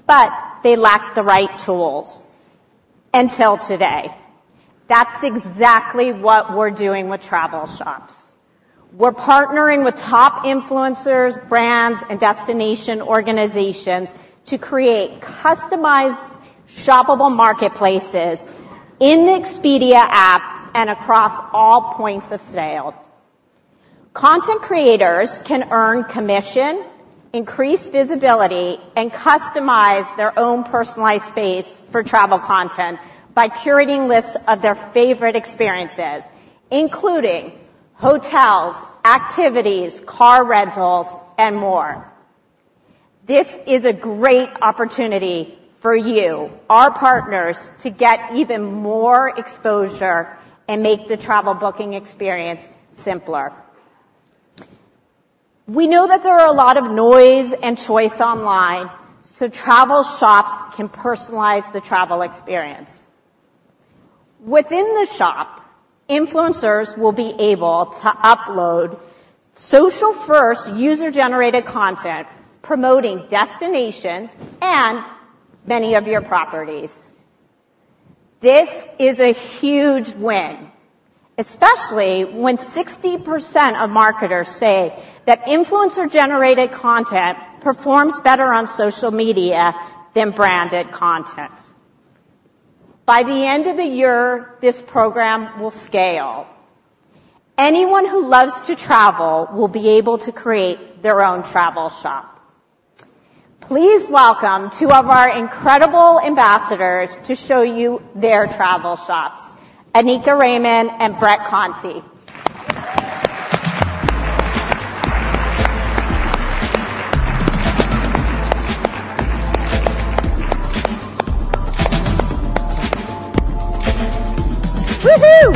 but they lack the right tools, until today. That's exactly what we're doing with Travel Shops. We're partnering with top influencers, brands, and destination organizations to create customized, shoppable marketplaces in the Expedia app and across all points of sale. Content creators can earn commission, increase visibility, and customize their own personalized space for travel content by curating lists of their favorite experiences, including hotels, activities, car rentals, and more. This is a great opportunity for you, our partners, to get even more exposure and make the travel booking experience simpler. We know that there are a lot of noise and choice online, so Travel Shops can personalize the travel experience. Within the shop, influencers will be able to upload social-first, user-generated content, promoting destinations and many of your properties. This is a huge win, especially when 60% of marketers say that influencer-generated content performs better on social media than branded content. By the end of the year, this program will scale. Anyone who loves to travel will be able to create their own travel shop. Please welcome two of our incredible ambassadors to show you their Travel Shops, Oneika Raymond and Brett Conti. Woo-hoo!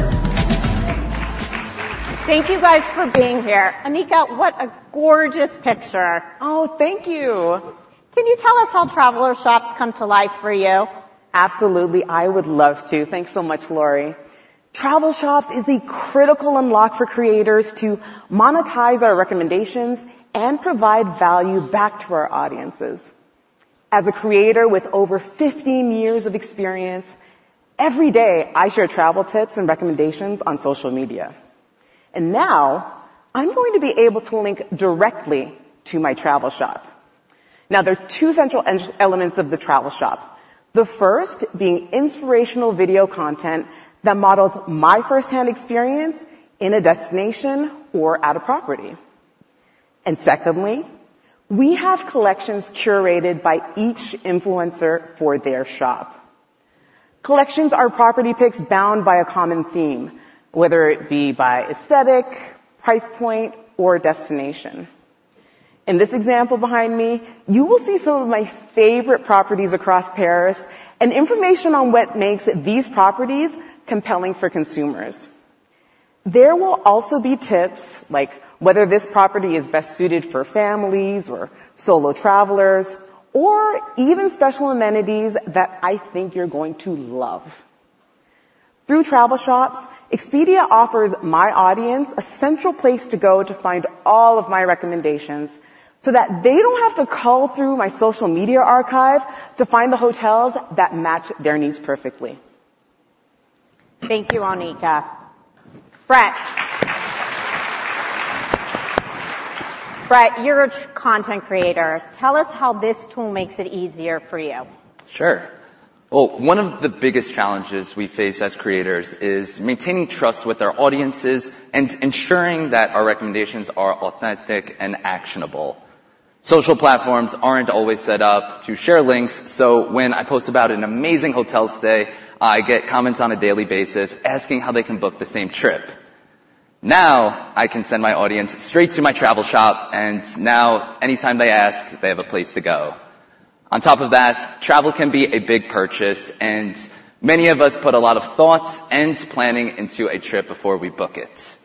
Thank you guys for being here. Oneika, what a gorgeous picture. Oh, thank you. Can you tell us how Travel Shops come to life for you? Absolutely. I would love to. Thanks so much, Lauri. Travel Shops is a critical unlock for creators to monetize our recommendations and provide value back to our audiences. As a creator with over 15 years of experience, every day I share travel tips and recommendations on social media, and now I'm going to be able to link directly to my travel shop. Now, there are two central elements of the travel shop. The first being inspirational video content that models my firsthand experience in a destination or at a property. And secondly, we have collections curated by each influencer for their shop. Collections are property picks bound by a common theme, whether it be by aesthetic, price point, or destination. In this example behind me, you will see some of my favorite properties across Paris and information on what makes these properties compelling for consumers. There will also be tips like whether this property is best suited for families or solo travelers, or even special amenities that I think you're going to love. Through Travel Shops, Expedia offers my audience a central place to go to find all of my recommendations, so that they don't have to cull through my social media archive to find the hotels that match their needs perfectly. Thank you, Oneika. Brett. Brett, you're a content creator. Tell us how this tool makes it easier for you. Sure. Well, one of the biggest challenges we face as creators is maintaining trust with our audiences and ensuring that our recommendations are authentic and actionable. Social platforms aren't always set up to share links, so when I post about an amazing hotel stay, I get comments on a daily basis asking how they can book the same trip. Now, I can send my audience straight to my travel shop, and now anytime they ask, they have a place to go. On top of that, travel can be a big purchase, and many of us put a lot of thought and planning into a trip before we book it.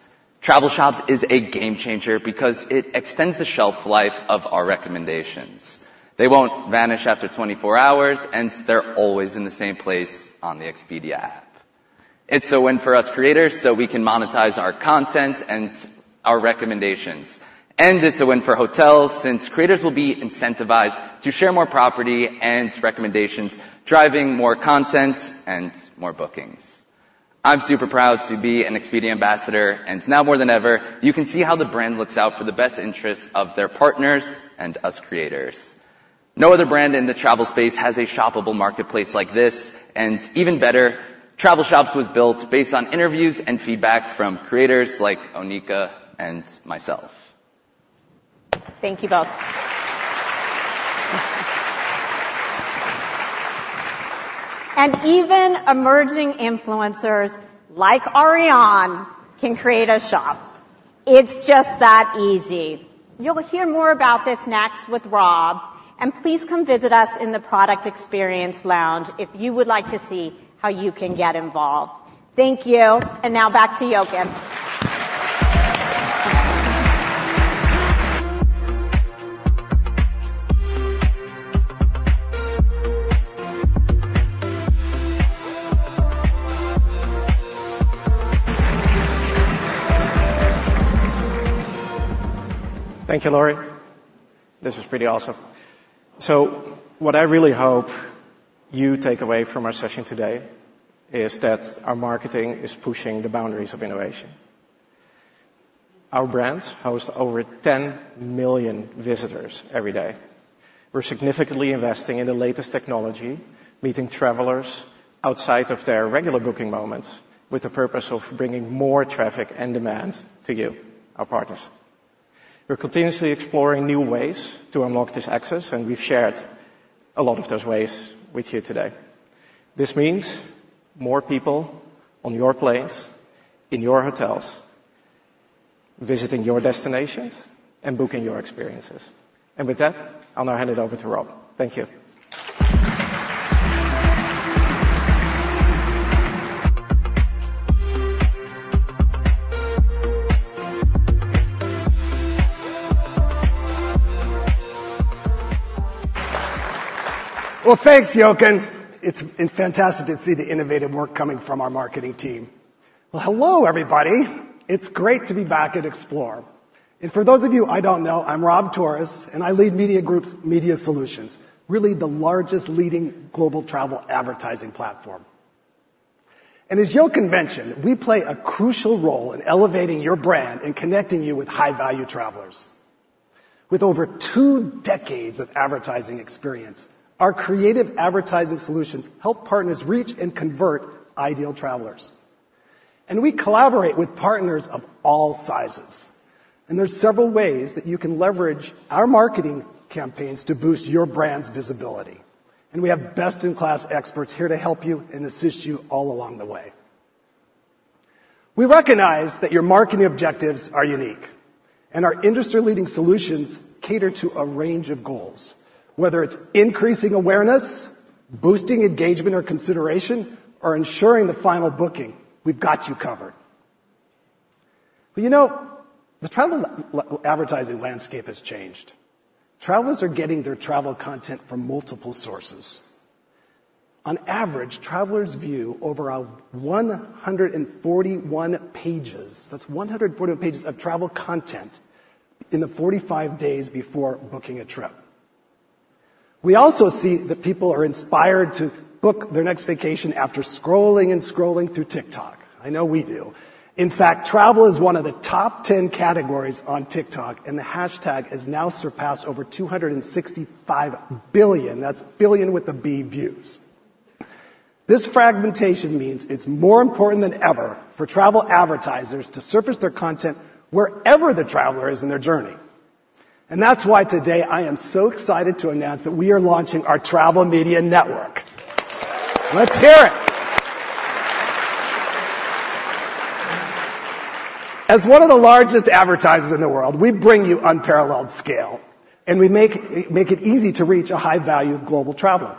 Travel Shops is a game changer because it extends the shelf life of our recommendations. They won't vanish after 24 hours, and they're always in the same place on the Expedia app. It's a win for us creators, so we can monetize our content and our recommendations. It's a win for hotels, since creators will be incentivized to share more property and recommendations, driving more content and more bookings. I'm super proud to be an Expedia Ambassador, and now more than ever, you can see how the brand looks out for the best interests of their partners and us creators. No other brand in the travel space has a shoppable marketplace like this, and even better, Travel Shops was built based on interviews and feedback from creators like Oneika and myself. Thank you, both. ... And even emerging influencers like Ariane can create a shop. It's just that easy. You'll hear more about this next with Rob, and please come visit us in the Product Experience Lounge if you would like to see how you can get involved. Thank you, and now back to Jochen. Thank you, Lauri. This was pretty awesome. So what I really hope you take away from our session today is that our marketing is pushing the boundaries of innovation. Our brands house over 10 million visitors every day. We're significantly investing in the latest technology, meeting travelers outside of their regular booking moments, with the purpose of bringing more traffic and demand to you, our partners. We're continuously exploring new ways to unlock this access, and we've shared a lot of those ways with you today. This means more people on your planes, in your hotels, visiting your destinations, and booking your experiences. With that, I'll now hand it over to Rob. Thank you. Well, thanks, Jochen. It's fantastic to see the innovative work coming from our marketing team. Well, hello, everybody. It's great to be back at Explore. For those of you I don't know, I'm Rob Torres, and I lead Expedia Group's Media Solutions, really the largest leading global travel advertising platform. As Jochen mentioned, we play a crucial role in elevating your brand and connecting you with high-value travelers. With over two decades of advertising experience, our creative advertising solutions help partners reach and convert ideal travelers. We collaborate with partners of all sizes, and there's several ways that you can leverage our marketing campaigns to boost your brand's visibility. We have best-in-class experts here to help you and assist you all along the way. We recognize that your marketing objectives are unique, and our industry-leading solutions cater to a range of goals, whether it's increasing awareness, boosting engagement or consideration, or ensuring the final booking, we've got you covered. But, you know, the travel advertising landscape has changed. Travelers are getting their travel content from multiple sources. On average, travelers view over 141 pages, that's 141 pages, of travel content in the 45 days before booking a trip. We also see that people are inspired to book their next vacation after scrolling and scrolling through TikTok. I know we do. In fact, travel is one of the top 10 categories on TikTok, and the hashtag has now surpassed over 265 billion. That's billion with a B, views. This fragmentation means it's more important than ever for travel advertisers to surface their content wherever the traveler is in their journey. That's why today I am so excited to announce that we are launching our Travel Media Network. Let's hear it! As one of the largest advertisers in the world, we bring you unparalleled scale, and we make, make it easy to reach a high-value global traveler.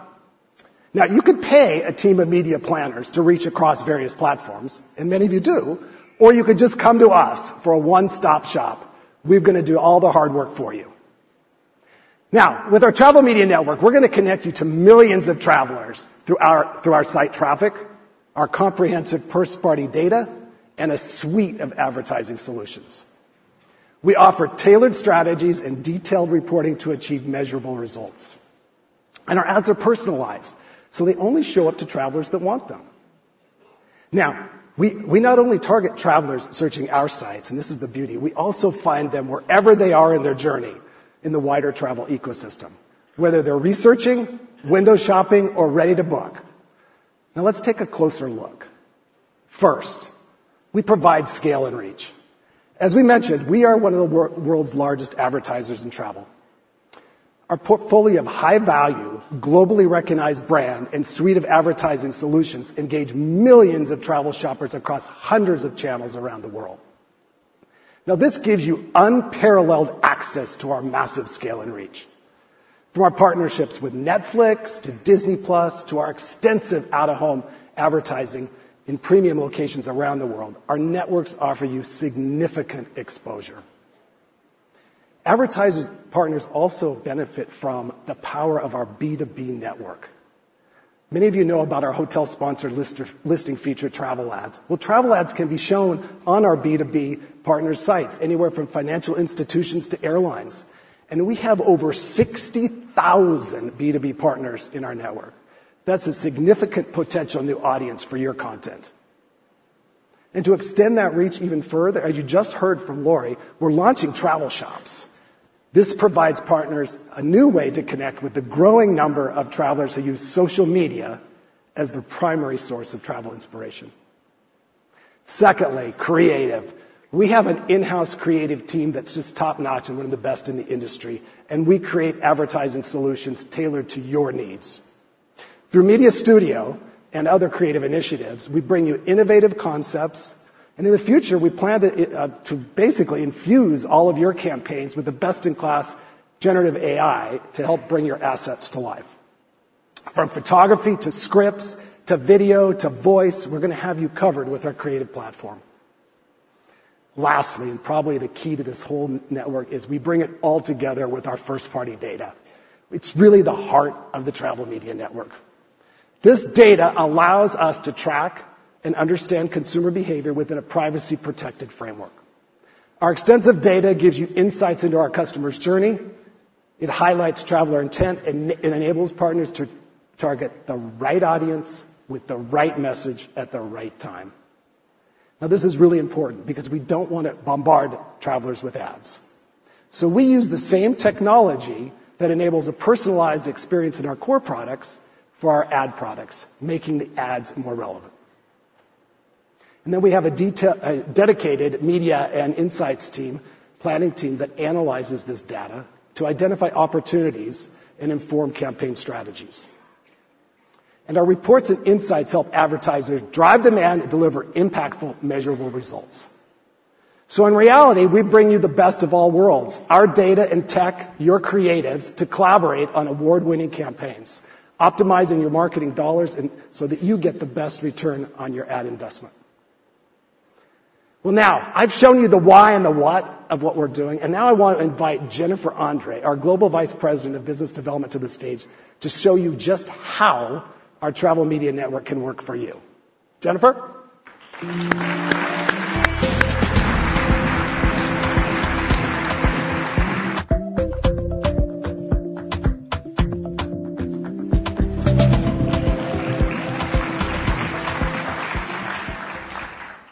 Now, you could pay a team of media planners to reach across various platforms, and many of you do, or you could just come to us for a one-stop shop. We're gonna do all the hard work for you. Now, with our Travel Media Network, we're going to connect you to millions of travelers through our, through our site traffic, our comprehensive first-party data, and a suite of advertising solutions. We offer tailored strategies and detailed reporting to achieve measurable results. Our ads are personalized, so they only show up to travelers that want them. Now, we, we not only target travelers searching our sites, and this is the beauty, we also find them wherever they are in their journey in the wider travel ecosystem, whether they're researching, window shopping, or ready to book. Now, let's take a closer look. First, we provide scale and reach. As we mentioned, we are one of the world's largest advertisers in travel. Our portfolio of high-value, globally recognized brand and suite of advertising solutions engage millions of travel shoppers across hundreds of channels around the world. Now, this gives you unparalleled access to our massive scale and reach. From our partnerships with Netflix to Disney+, to our extensive out-of-home advertising in premium locations around the world, our networks offer you significant exposure. Advertising partners also benefit from the power of our B2B network. Many of you know about our hotel-sponsored listing feature, TravelAds. Well, TravelAds can be shown on our B2B partner sites, anywhere from financial institutions to airlines, and we have over 60,000 B2B partners in our network. That's a significant potential new audience for your content. To extend that reach even further, as you just heard from Lauri, we're launching Travel Shops. This provides partners a new way to connect with the growing number of travelers who use social media as their primary source of travel inspiration.... Secondly, creative. We have an in-house creative team that's just top-notch and one of the best in the industry, and we create advertising solutions tailored to your needs. Through Media Studio and other creative initiatives, we bring you innovative concepts, and in the future, we plan to basically infuse all of your campaigns with the best-in-class generative AI to help bring your assets to life. From photography, to scripts, to video, to voice, we're gonna have you covered with our creative platform. Lastly, and probably the key to this whole network, is we bring it all together with our first-party data. It's really the heart of the Travel Media Network. This data allows us to track and understand consumer behavior within a privacy-protected framework. Our extensive data gives you insights into our customer's journey, it highlights traveler intent, and it enables partners to target the right audience with the right message at the right time. Now, this is really important because we don't want to bombard travelers with ads. So we use the same technology that enables a personalized experience in our core products for our ad products, making the ads more relevant. And then we have a dedicated media and insights team, planning team, that analyzes this data to identify opportunities and inform campaign strategies. And our reports and insights help advertisers drive demand and deliver impactful, measurable results. So in reality, we bring you the best of all worlds, our data and tech, your creatives, to collaborate on award-winning campaigns, optimizing your marketing dollars and so that you get the best return on your ad investment. Well, now, I've shown you the why and the what of what we're doing, and now I want to invite Jennifer Andre, our Global Vice President of Business Development, to the stage to show you just how our Travel Media Network can work for you. Jennifer?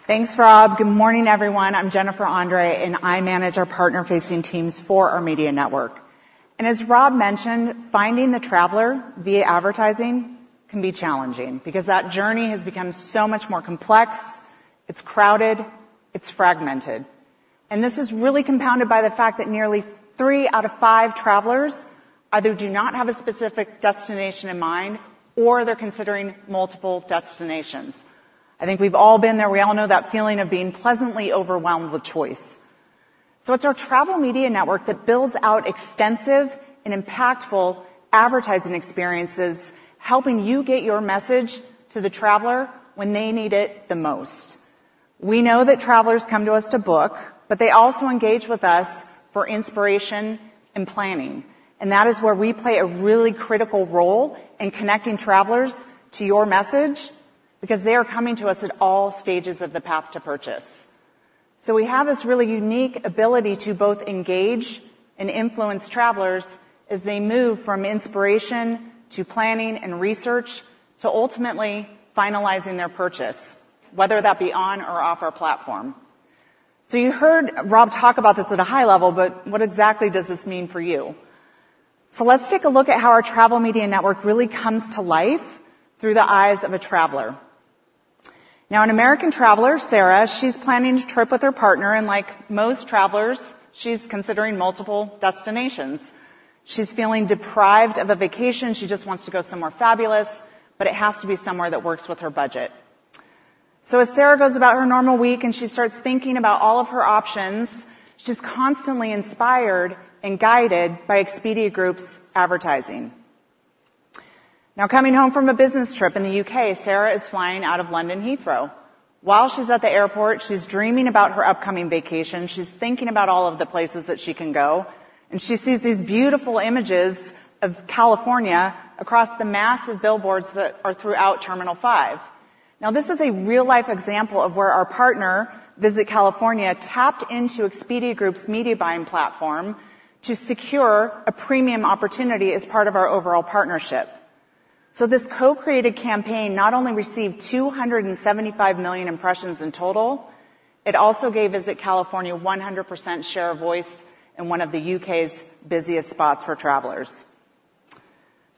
Thanks, Rob. Good morning, everyone. I'm Jennifer Andre, and I manage our partner-facing teams for our Travel Media Network. As Rob mentioned, finding the traveler via advertising can be challenging because that journey has become so much more complex, it's crowded, it's fragmented. This is really compounded by the fact that nearly three out of five travelers either do not have a specific destination in mind, or they're considering multiple destinations. I think we've all been there. We all know that feeling of being pleasantly overwhelmed with choice. It's our Travel Media Network that builds out extensive and impactful advertising experiences, helping you get your message to the traveler when they need it the most. We know that travelers come to us to book, but they also engage with us for inspiration and planning, and that is where we play a really critical role in connecting travelers to your message, because they are coming to us at all stages of the path to purchase. So we have this really unique ability to both engage and influence travelers as they move from inspiration to planning and research, to ultimately finalizing their purchase, whether that be on or off our platform. So you heard Rob talk about this at a high level, but what exactly does this mean for you? So let's take a look at how our Travel Media Network really comes to life through the eyes of a traveler. Now, an American traveler, Sarah, she's planning a trip with her partner, and like most travelers, she's considering multiple destinations. She's feeling deprived of a vacation. She just wants to go somewhere fabulous, but it has to be somewhere that works with her budget. So as Sarah goes about her normal week, and she starts thinking about all of her options, she's constantly inspired and guided by Expedia Group's advertising. Now, coming home from a business trip in the UK, Sarah is flying out of London Heathrow. While she's at the airport, she's dreaming about her upcoming vacation. She's thinking about all of the places that she can go, and she sees these beautiful images of California across the massive billboards that are throughout Terminal 5. Now, this is a real-life example of where our partner, Visit California, tapped into Expedia Group's media buying platform to secure a premium opportunity as part of our overall partnership. This co-created campaign not only received 275 million impressions in total, it also gave Visit California 100% share of voice in one of the UK's busiest spots for travelers.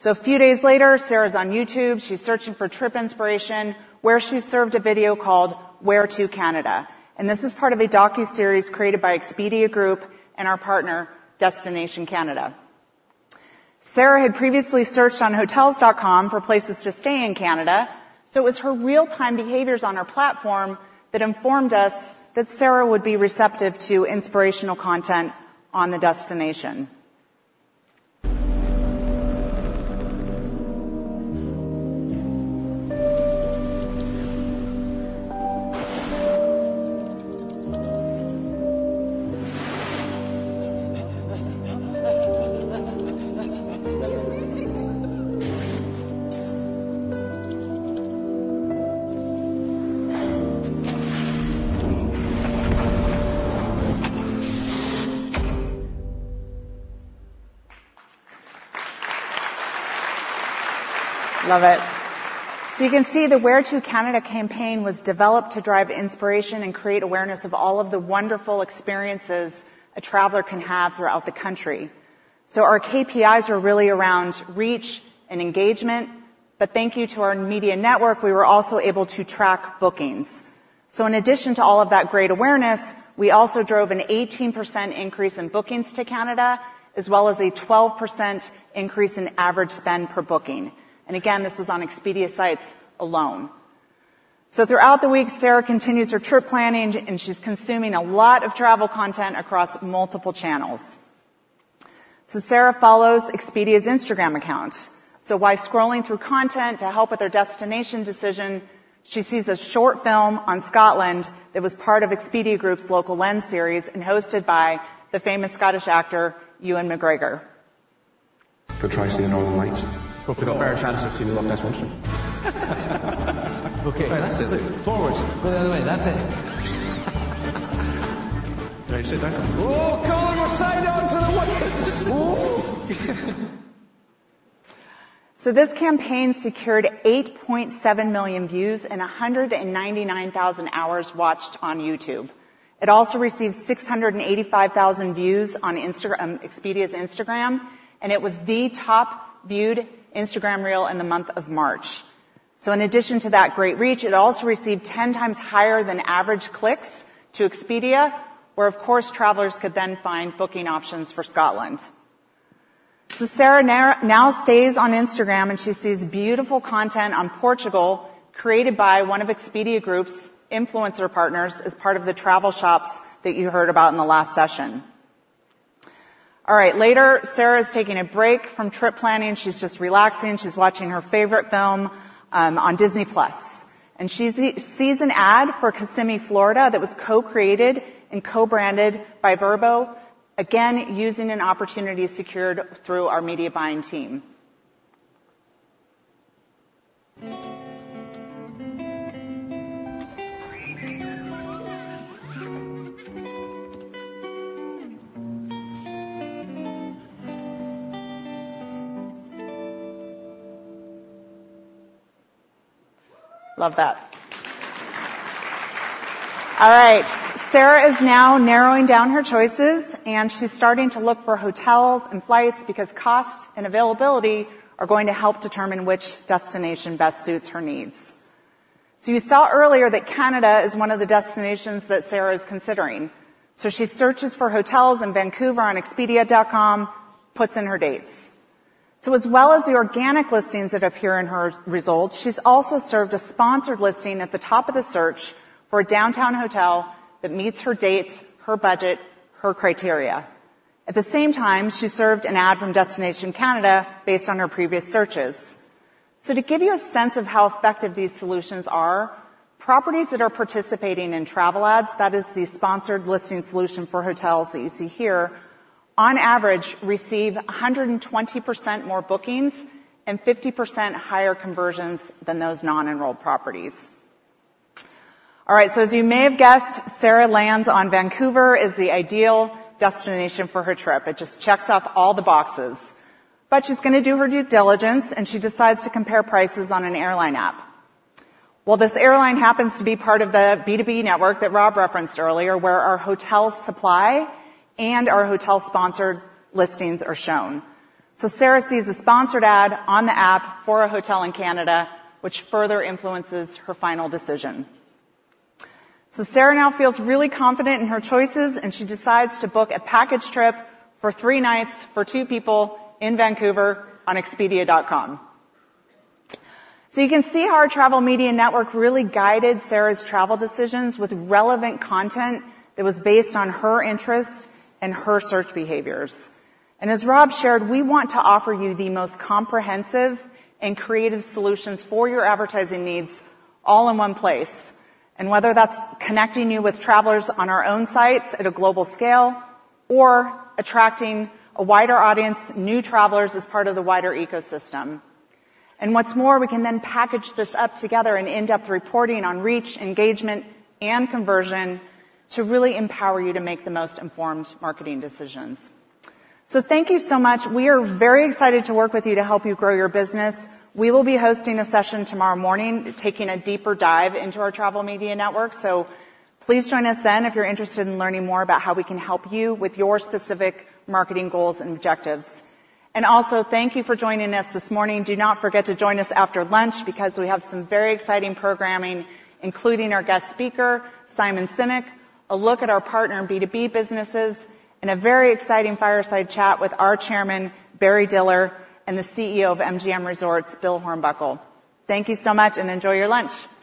A few days later, Sarah's on YouTube. She's searching for trip inspiration, where she's served a video called Where to Canada, and this is part of a docuseries created by Expedia Group and our partner, Destination Canada. Sarah had previously searched on Hotels.com for places to stay in Canada, so it was her real-time behaviors on our platform that informed us that Sarah would be receptive to inspirational content on the destination. Love it. You can see the Where to Canada campaign was developed to drive inspiration and create awareness of all of the wonderful experiences a traveler can have throughout the country.... Our KPIs are really around reach and engagement, but thanks to our media network, we were also able to track bookings. In addition to all of that great awareness, we also drove an 18% increase in bookings to Canada, as well as a 12% increase in average spend per booking. And again, this was on Expedia sites alone. Throughout the week, Sarah continues her trip planning, and she's consuming a lot of travel content across multiple channels. Sarah follows Expedia's Instagram account. While scrolling through content to help with her destination decision, she sees a short film on Scotland that was part of Expedia Group's Local Lens series and hosted by the famous Scottish actor, Ewan McGregor. Go try and see the Northern Lights. Hopefully, got a better chance of seeing them up in Wester Ross. Okay, that's it. Forward. Go the other way. That's it. Now you sit down. Oh, God, we're upside down to the lake! So this campaign secured 8.7 million views and 199,000 hours watched on YouTube. It also received 685,000 views on Instagram, Expedia's Instagram, and it was the top-viewed Instagram Reel in the month of March. So in addition to that great reach, it also received 10 times higher than average clicks to Expedia, where, of course, travelers could then find booking options for Scotland. So Sarah now stays on Instagram, and she sees beautiful content on Portugal, created by one of Expedia Group's influencer partners as part of the Travel Shops that you heard about in the last session. All right, later, Sarah is taking a break from trip planning. She's just relaxing. She's watching her favorite film on Disney+, and she sees an ad for Kissimmee, Florida, that was co-created and co-branded by Vrbo, again, using an opportunity secured through our media buying team. Love that. All right. Sarah is now narrowing down her choices, and she's starting to look for hotels and flights because cost and availability are going to help determine which destination best suits her needs. So you saw earlier that Canada is one of the destinations that Sarah is considering. So she searches for hotels in Vancouver on Expedia.com, puts in her dates. So as well as the organic listings that appear in her results, she's also served a sponsored listing at the top of the search for a downtown hotel that meets her dates, her budget, her criteria. At the same time, she served an ad from Destination Canada based on her previous searches. So to give you a sense of how effective these solutions are, properties that are participating in TravelAds, that is the sponsored listing solution for hotels that you see here, on average, receive 120% more bookings and 50% higher conversions than those non-enrolled properties. All right, so as you may have guessed, Sarah lands on Vancouver as the ideal destination for her trip. It just checks off all the boxes. But she's going to do her due diligence, and she decides to compare prices on an airline app. Well, this airline happens to be part of the B2B network that Rob referenced earlier, where our hotel supply and our hotel-sponsored listings are shown. So Sarah sees a sponsored ad on the app for a hotel in Canada, which further influences her final decision. So Sarah now feels really confident in her choices, and she decides to book a package trip for three nights for two people in Vancouver on Expedia.com. So you can see how our Travel Media Network really guided Sarah's travel decisions with relevant content that was based on her interests and her search behaviors. And as Rob shared, we want to offer you the most comprehensive and creative solutions for your advertising needs all in one place. And whether that's connecting you with travelers on our own sites at a global scale or attracting a wider audience, new travelers, as part of the wider ecosystem. And what's more, we can then package this up together in-depth reporting on reach, engagement, and conversion to really empower you to make the most informed marketing decisions. So thank you so much. We are very excited to work with you to help you grow your business. We will be hosting a session tomorrow morning, taking a deeper dive into our Travel Media Network. So please join us then if you're interested in learning more about how we can help you with your specific marketing goals and objectives. And also, thank you for joining us this morning. Do not forget to join us after lunch because we have some very exciting programming, including our guest speaker, Simon Sinek, a look at our partner in B2B businesses, and a very exciting fireside chat with our Chairman, Barry Diller, and the CEO of MGM Resorts, Bill Hornbuckle. Thank you so much, and enjoy your lunch.